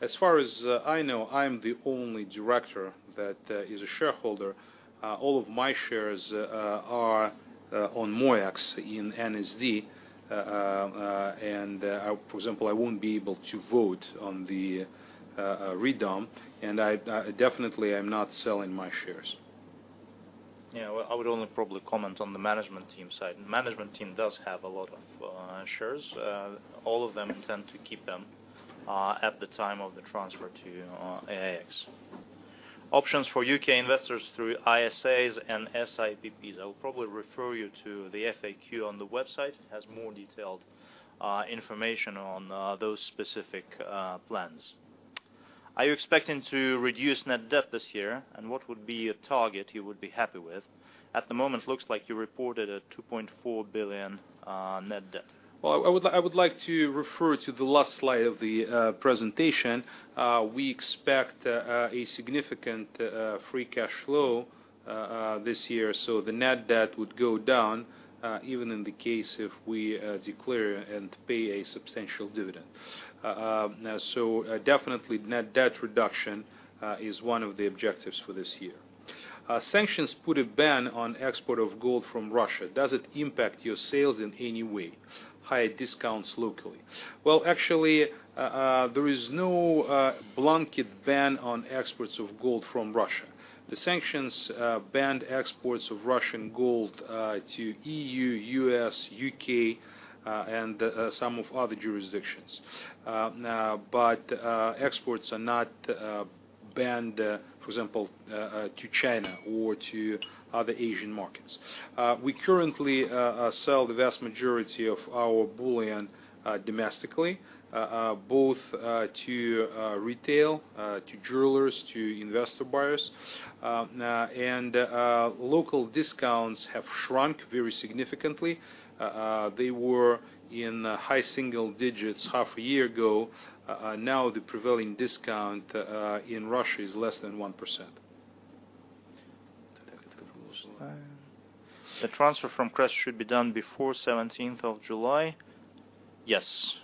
As far as I know, I'm the only director that is a shareholder. All of my shares are on MOEX in NSD. For example, I won't be able to vote on the redom, and I definitely am not selling my shares. Yeah. I would only probably comment on the management team side. Management team does have a lot of shares. All of them intend to keep them at the time of the transfer to AIX. Options for U.K. investors through ISAs and SIPP. I will probably refer you to the FAQ on the website. It has more detailed information on those specific plans. Are you expecting to reduce net debt this year? What would be a target you would be happy with? At the moment, looks like you reported a $2.4 billion net debt. Well, I would like to refer to the last slide of the presentation. We expect a significant free cash flow this year, so the net debt would go down even in the case if we declare and pay a substantial dividend. Definitely net debt reduction is one of the objectives for this year. Sanctions put a ban on export of gold from Russia. Does it impact your sales in any way? Higher discounts locally. Well, actually, there is no blanket ban on exports of gold from Russia. The sanctions banned exports of Russian gold to EU, U.S., U.K., and some of other jurisdictions. Exports are not banned, for example, to China or to other Asian markets. We currently sell the vast majority of our bullion domestically, both to retail, to jewelers, to investor buyers. Local discounts have shrunk very significantly. They were in high single digits half a year ago. Now the prevailing discount in Russia is less than 1%. The transfer from CREST should be done before 17th of July? Yes.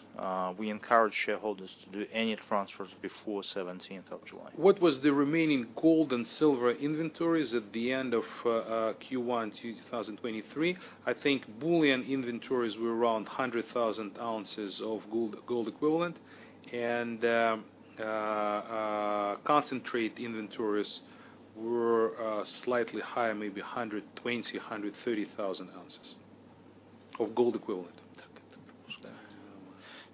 We encourage shareholders to do any transfers before 17th of July. What was the remaining gold and silver inventories at the end of Q1 2023? I think bullion inventories were around 100,000 ounces of gold equivalent. Concentrate inventories were slightly higher, maybe 120,000-130,000 ounces of gold equivalent.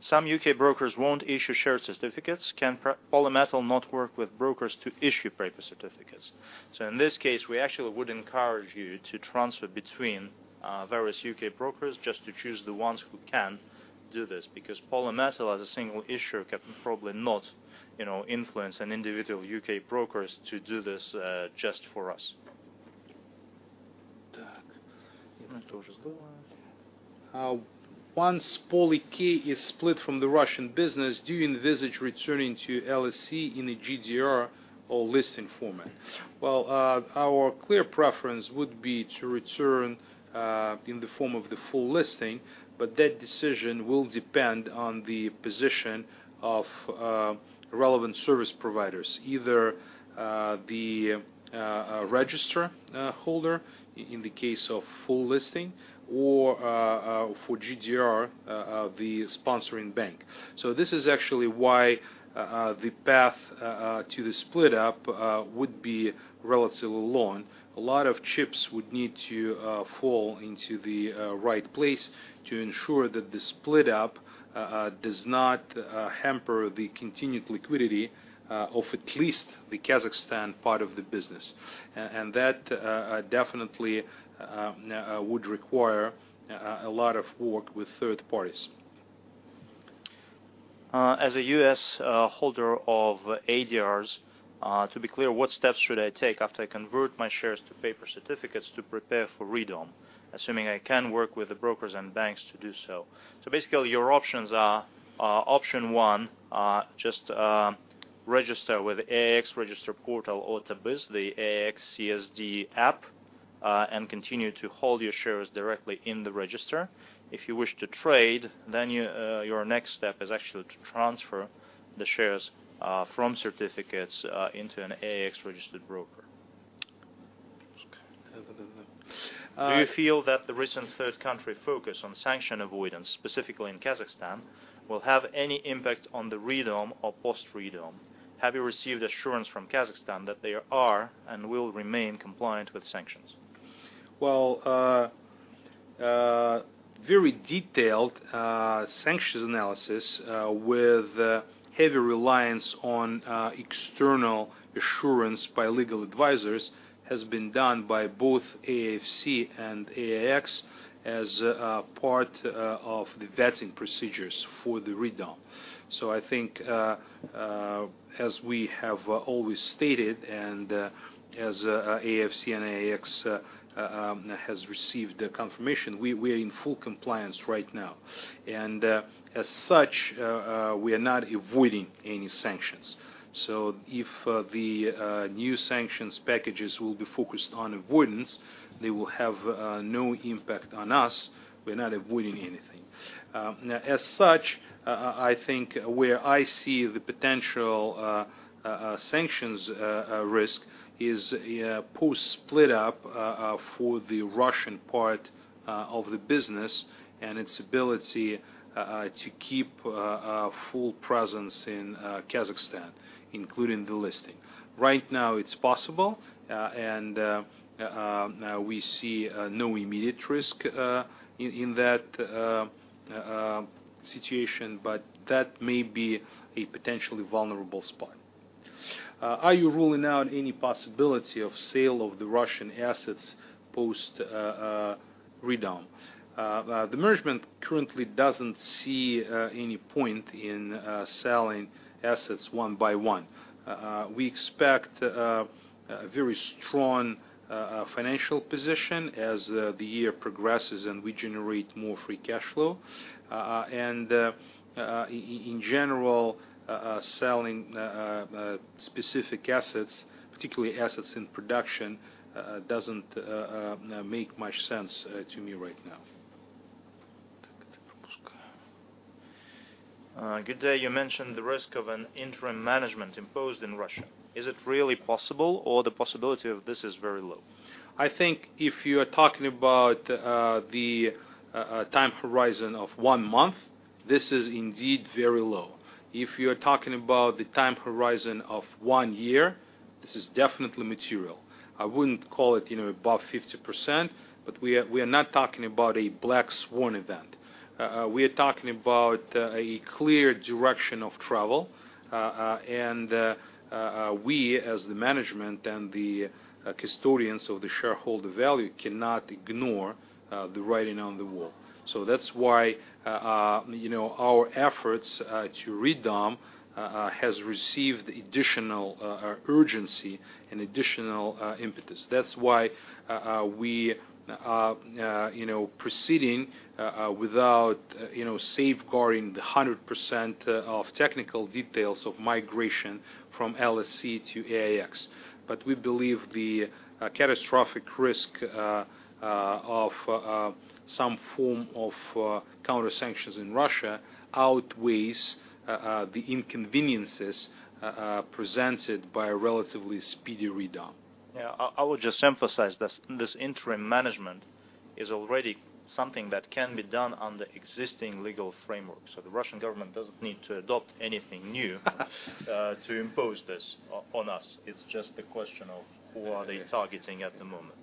Some U.K. brokers won't issue share certificates. Can Polymetal not work with brokers to issue paper certificates? In this case, we actually would encourage you to transfer between various U.K. brokers just to choose the ones who can do this because Polymetal as a single issuer can probably not, you know, influence an individual U.K. brokers to do this just for us. Once Poly K is split from the Russian business, do you envisage returning to LSE in a GDR or listing format? Well, our clear preference would be to return in the form of the full listing, but that decision will depend on the position of relevant service providers, either the register holder in the case of full listing or for GDR the sponsoring bank. This is actually why the path to the split up would be relatively long. A lot of chips would need to fall into the right place to ensure that the split up does not hamper the continued liquidity of at least the Kazakhstan part of the business. That definitely would require a lot of work with third parties. As a U.S. holder of ADRs, to be clear, what steps should I take after I convert my shares to paper certificates to prepare for redom, assuming I can work with the brokers and banks to do so? Basically, your options are option one, just register with AIX Registrar portal or Tabys, the AIX CSD app, and continue to hold your shares directly in the register. If you wish to trade, then your next step is actually to transfer the shares from certificates into an AIX-registered broker. Do you feel that the recent third country focus on sanction avoidance, specifically in Kazakhstan, will have any impact on the redom or post-redom? Have you received assurance from Kazakhstan that they are and will remain compliant with sanctions? Very detailed sanctions analysis with heavy reliance on external assurance by legal advisors has been done by both AIFC and AIX as part of the vetting procedures for the redom. I think, as we have always stated and as AIFC and AIX has received the confirmation, we are in full compliance right now. As such, we are not avoiding any sanctions. If the new sanctions packages will be focused on avoidance, they will have no impact on us. We're not avoiding anything. As such, I think where I see the potential sanctions risk is post-split up for the Russian part of the business and its ability to keep a full presence in Kazakhstan, including the listing. Right now it's possible, and we see no immediate risk in that situation, but that may be a potentially vulnerable spot. Are you ruling out any possibility of sale of the Russian assets post redom? The management currently doesn't see any point in selling assets one by one. We expect a very strong financial position as the year progresses, and we generate more free cash flow. In general, selling specific assets, particularly assets in production, doesn't make much sense to me right now. Good day. You mentioned the risk of an interim management imposed in Russia. Is it really possible, or the possibility of this is very low? I think if you are talking about the time horizon of 1 month, this is indeed very low. If you are talking about the time horizon of 1 year, this is definitely material. I wouldn't call it, you know, above 50%, we are not talking about a black swan event. We are talking about a clear direction of travel, we as the management and the custodians of the shareholder value cannot ignore the writing on the wall. That's why, you know, our efforts to redom has received additional urgency and additional impetus. That's why, we are, you know, proceeding without, you know, safeguarding the 100% of technical details of migration from LSE to AIX. We believe the catastrophic risk of some form of counter-sanctions in Russia outweighs the inconveniences presented by a relatively speedy redom. Yeah. I would just emphasize this interim management is already something that can be done under existing legal framework. The Russian government doesn't need to adopt anything new to impose this on us. It's just a question of who are they targeting at the moment.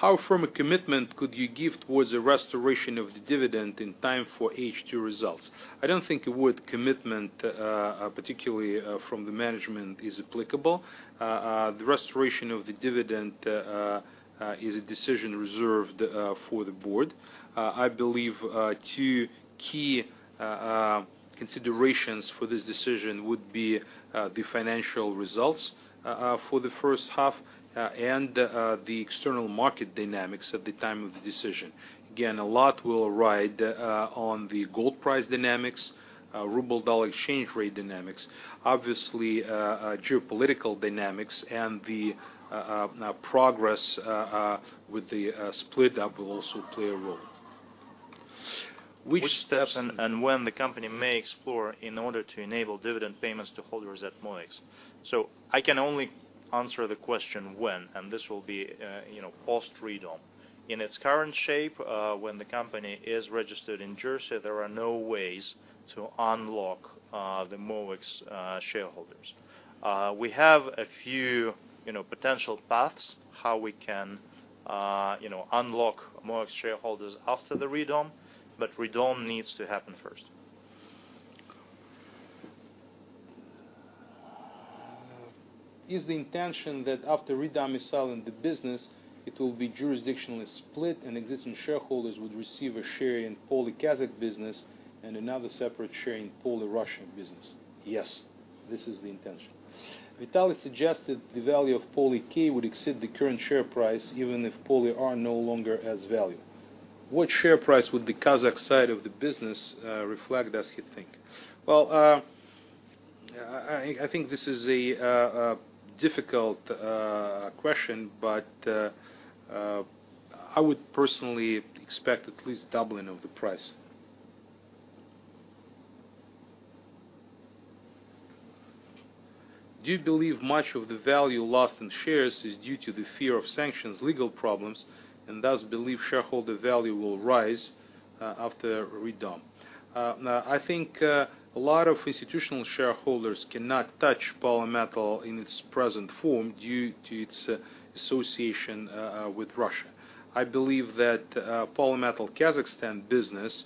How firm a commitment could you give towards the restoration of the dividend in time for H2 results? I don't think the word commitment, particularly, from the management is applicable. The restoration of the dividend is a decision reserved for the board. I believe two key considerations for this decision would be the financial results for the first half, and the external market dynamics at the time of the decision. Again, a lot will ride on the gold price dynamics, ruble-dollar exchange rate dynamics. Obviously, geopolitical dynamics and the progress with the split up will also play a role. Which steps and when the company may explore in order to enable dividend payments to holders at MOEX? I can only answer the question when, and this will be, you know, post-redom. In its current shape, when the company is registered in Jersey, there are no ways to unlock the MOEX shareholders. We have a few, you know, potential paths, how we can, you know, unlock MOEX shareholders after the redom, but redom needs to happen first. Is the intention that after re-domiciling the business, it will be jurisdictionally split and existing shareholders would receive a share in Poly Kazakh business and another separate share in Poly Russian business? Yes, this is the intention. Vitaly suggested the value of Poly K would exceed the current share price even if Poly R no longer has value. What share price would the Kazakh side of the business reflect, does he think? Well, I think this is a difficult question, but I would personally expect at least doubling of the price. Do you believe much of the value lost in shares is due to the fear of sanctions legal problems, thus believe shareholder value will rise after re-dom? Now, I think a lot of institutional shareholders cannot touch Polymetal in its present form due to its association with Russia. I believe that Polymetal Kazakhstan business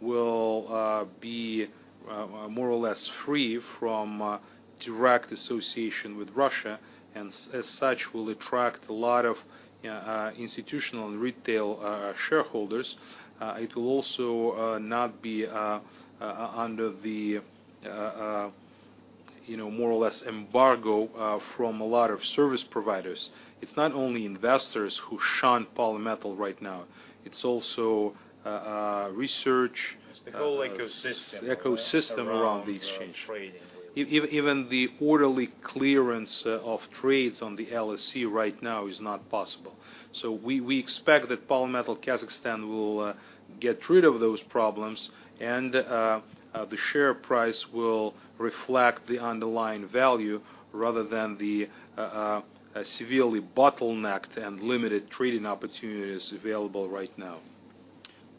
will be more or less free from direct association with Russia, as such will attract a lot of institutional and retail shareholders. It will also not be under the, you know, more or less embargo from a lot of service providers. It's not only investors who shun Polymetal right now. It's also research- It's the whole ecosystem around trading really. The ecosystem around the exchange. Even the orderly clearance of trades on the LSE right now is not possible. We expect that Polymetal Kazakhstan will get rid of those problems and the share price will reflect the underlying value rather than the severely bottlenecked and limited trading opportunities available right now.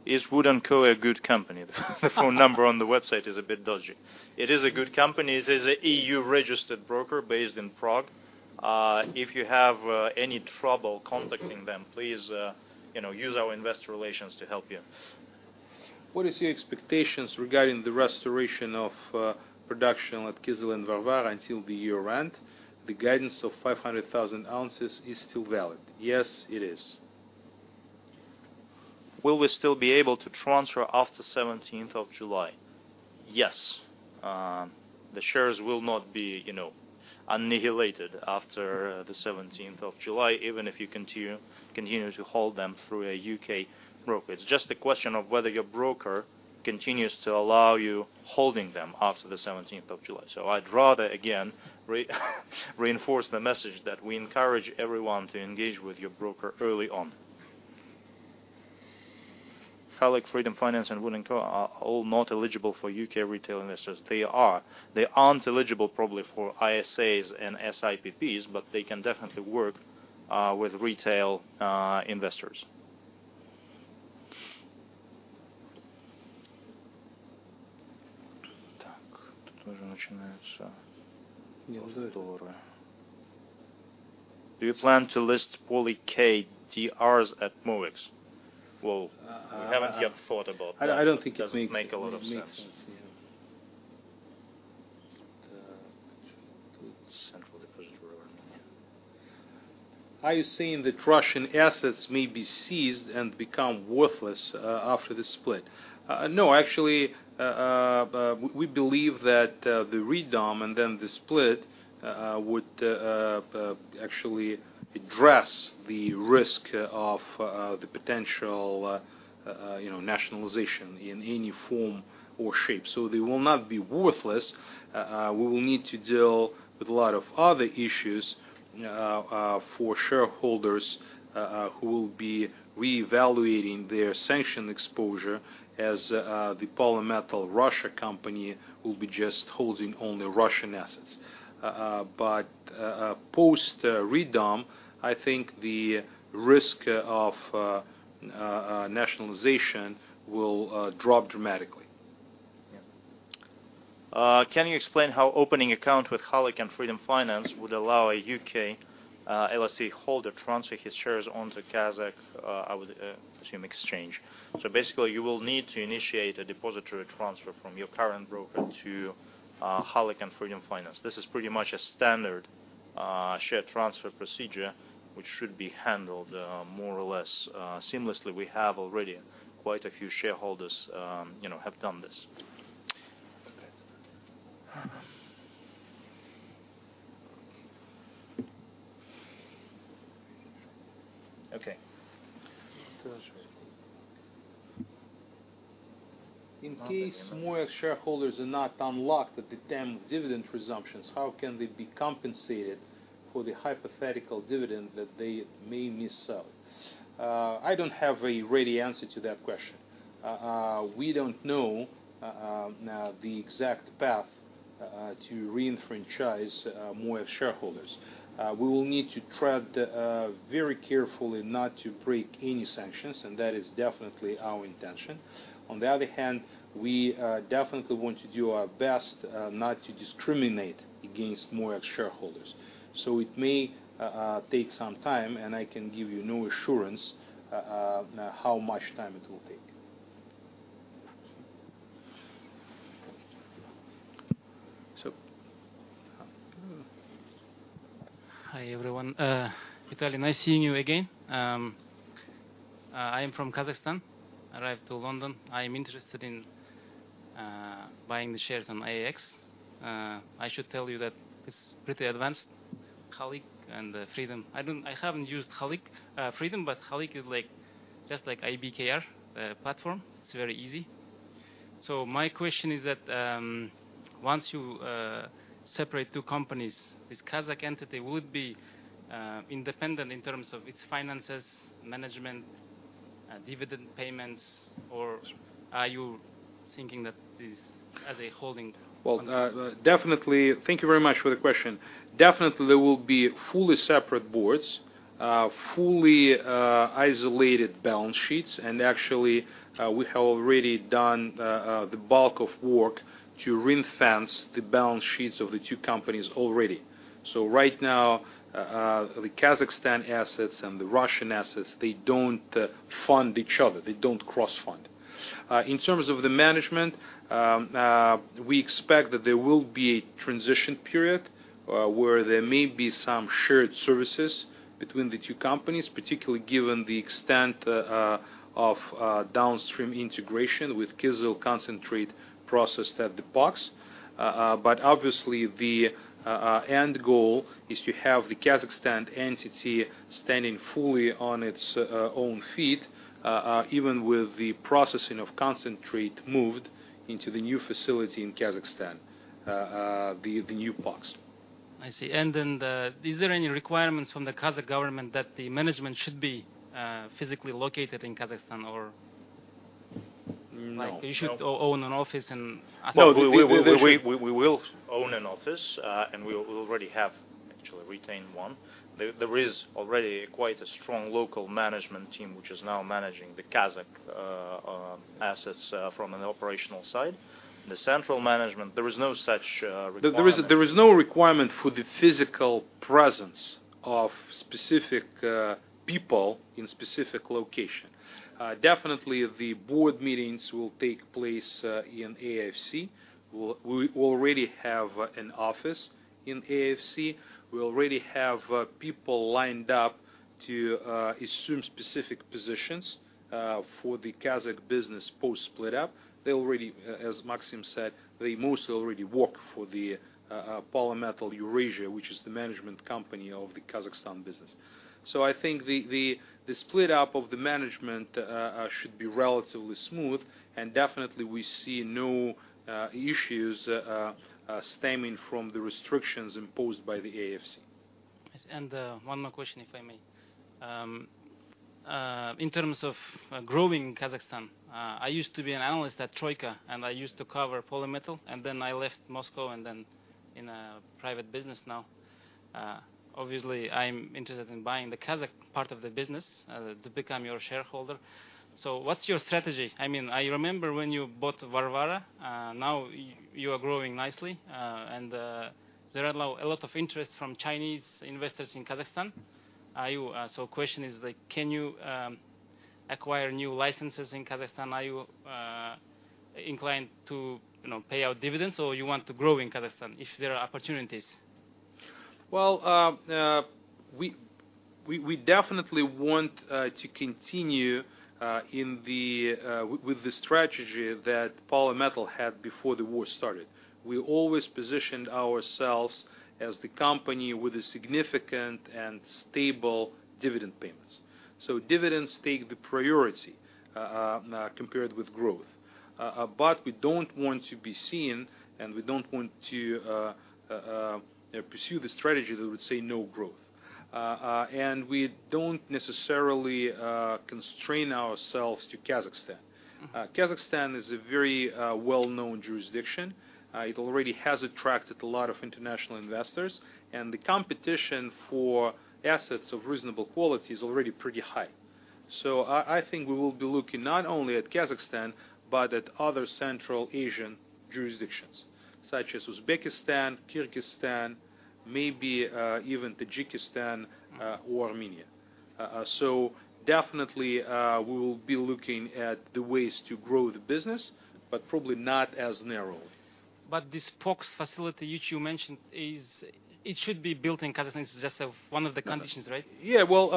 Is WOOD & Co. a good company? The phone number on the website is a bit dodgy. It is a good company. It is a E.U.-registered broker based in Prague. If you have any trouble contacting them, please, you know, use our investor relations to help you. What is your expectations regarding the restoration of production at Kyzyl and Varvara until the year end? The guidance of 500,000 ounces is still valid. Yes, it is. Will we still be able to transfer after 17th of July? Yes. The shares will not be, you know, annihilated after the 17th of July, even if you continue to hold them through a U.K. broker. It's just a question of whether your broker continues to allow you holding them after the 17th of July. I'd rather, again, reinforce the message that we encourage everyone to engage with your broker early on. Halyk, Freedom Finance, and WOOD & Co. are all not eligible for U.K. retail investors. They are. They aren't eligible probably for ISAs and SIPP, but they can definitely work with retail investors. Do you plan to list Poly K DRs at MOEX? Well, we haven't yet thought about that. I don't think it. It doesn't make a lot of sense. Are you saying that Russian assets may be seized and become worthless, after the split? No, actually, we believe that the re-dom and then the split would actually address the risk of the potential, you know, nationalization in any form or shape. They will not be worthless. We will need to deal with a lot of other issues for shareholders who will be reevaluating their sanction exposure as the JSC Polymetal company will be just holding only Russian assets. Post re-dom, I think the risk of nationalization will drop dramatically. Can you explain how opening account with Halyk and Freedom Finance would allow a U.K. LSE holder transfer his shares on to Kazakh, I would assume exchange? Basically, you will need to initiate a depository transfer from your current broker to Halyk and Freedom Finance. This is pretty much a standard share transfer procedure, which should be handled more or less seamlessly. We have already quite a few shareholders, you know, have done this. Okay. In case MOEX shareholders are not unlocked with the damn dividend resumptions, how can they be compensated for the hypothetical dividend that they may miss out? I don't have a ready answer to that question. We don't know the exact path to re-enfranchise MOEX shareholders. We will need to tread very carefully not to break any sanctions, and that is definitely our intention. On the other hand, we definitely want to do our best not to discriminate against MOEX shareholders. It may take some time, and I can give you no assurance how much time it will take. So... Hi, everyone. Vitaly, nice seeing you again. I am from Kazakhstan, arrived to London. I'm interested in buying the shares on AIX. I should tell you that it's pretty advanced, Halyk and Freedom. I haven't used Freedom, but Halyk is like, just like IBKR platform. It's very easy. My question is that once you separate two companies, this Kazakh entity would be independent in terms of its finances, management, dividend payments, or are you thinking that this as a holding company? Definitely, thank you very much for the question. Definitely, there will be fully separate boards, fully isolated balance sheets, and actually, we have already done the bulk of work to ring-fence the balance sheets of the two companies already. Right now, the Kazakhstan assets and the Russian assets, they don't fund each other, they don't cross-fund. In terms of the management, we expect that there will be a transition period, where there may be some shared services between the two companies, particularly given the extent of downstream integration with Kyzyl concentrate processed at the POX. Obviously the end goal is to have the Kazakhstan entity standing fully on its own feet, even with the processing of concentrate moved into the new facility in Kazakhstan, the new POX. I see. Then is there any requirements from the Kazakh government that the management should be physically located in Kazakhstan? No. Like, they should own an office in Astana or Almaty? No, we will own an office, and we already have actually retained one. There is already quite a strong local management team, which is now managing the Kazakh assets from an operational side. The central management, there is no such requirement. There is no requirement for the physical presence of specific people in specific location. Definitely the board meetings will take place in AIFC. We already have an office in AIFC. We already have people lined up to assume specific positions for the Kazakh business post-split up. They already, as Maxim said, they mostly already work for the Polymetal Eurasia, which is the management company of the Kazakhstan business. I think the split up of the management should be relatively smooth, and definitely we see no issues stemming from the restrictions imposed by the AIFC. Yes. One more question, if I may. In terms of growing Kazakhstan, I used to be an analyst at Troika, and I used to cover Polymetal, and then I left Moscow and then in a private business now. Obviously, I'm interested in buying the Kazakh part of the business to become your shareholder. What's your strategy? I mean, I remember when you bought Varvara, now you are growing nicely, and there are a lot of interest from Chinese investors in Kazakhstan. Question is like, can you acquire new licenses in Kazakhstan? Are you inclined to, you know, pay out dividends, or you want to grow in Kazakhstan if there are opportunities? Well, we definitely want to continue with the strategy that Polymetal had before the war started. We always positioned ourselves as the company with a significant and stable dividend payments. Dividends take the priority compared with growth. We don't want to be seen, and we don't want to pursue the strategy that would say no growth. We don't necessarily constrain ourselves to Kazakhstan. Mm-hmm. Kazakhstan is a very, well-known jurisdiction. It already has attracted a lot of international investors, and the competition for assets of reasonable quality is already pretty high. I think we will be looking not only at Kazakhstan, but at other Central Asian jurisdictions, such as Uzbekistan, Kyrgyzstan, maybe, even Tajikistan, or Armenia. Definitely, we will be looking at the ways to grow the business, but probably not as narrow. This POX facility which you mentioned is, it should be built in Kazakhstan. It's just, one of the conditions, right? Yeah. Well,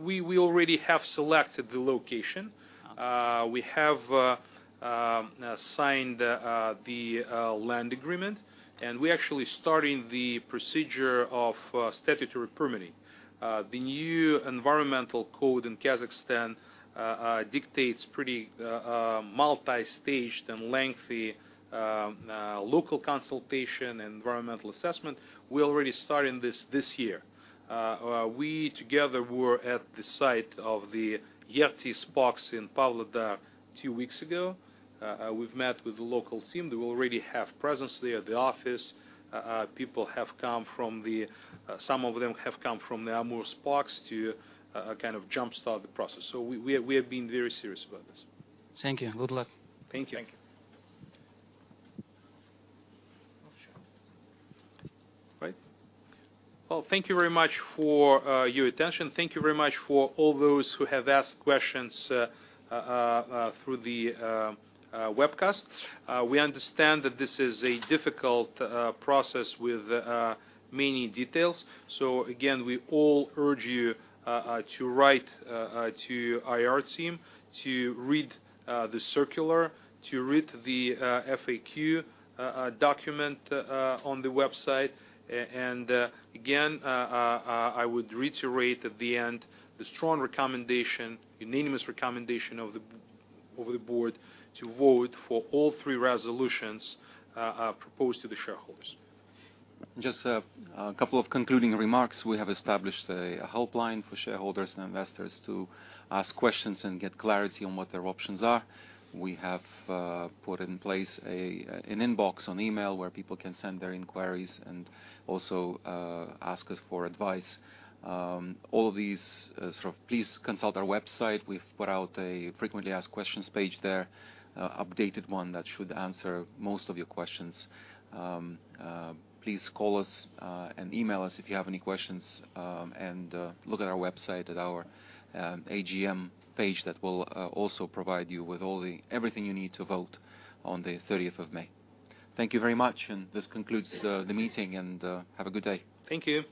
we already have selected the location. We have signed the land agreement, and we're actually starting the procedure of statutory permitting. The new environmental code in Kazakhstan dictates pretty multi-staged and lengthy local consultation and environmental assessment. We're already starting this this year. We together were at the site of the Ertis POX in Pavlodar two weeks ago. We've met with the local team. They already have presence there. The office, people have come from the some of them have come from the Amur POX to kind of jump-start the process. We have been very serious about this. Thank you. Good luck. Thank you. Thank you. Right. Well, thank you very much for your attention. Thank you very much for all those who have asked questions through the webcast. We understand that this is a difficult process with many details. Again, we all urge you to write to IR team, to read the circular, to read the FAQ document on the website. Again, I would reiterate at the end the strong recommendation, unanimous recommendation of the board to vote for all three resolutions proposed to the shareholders. Just a couple of concluding remarks. We have established a helpline for shareholders and investors to ask questions and get clarity on what their options are. We have put in place an inbox on email where people can send their inquiries and also ask us for advice. All of these, sort of please consult our website. We've put out a frequently asked questions page there, updated one that should answer most of your questions. Please call us and email us if you have any questions, and look at our website at our AGM page that will also provide you with everything you need to vote on the 30th of May. Thank you very much, and this concludes the meeting, and have a good day. Thank you.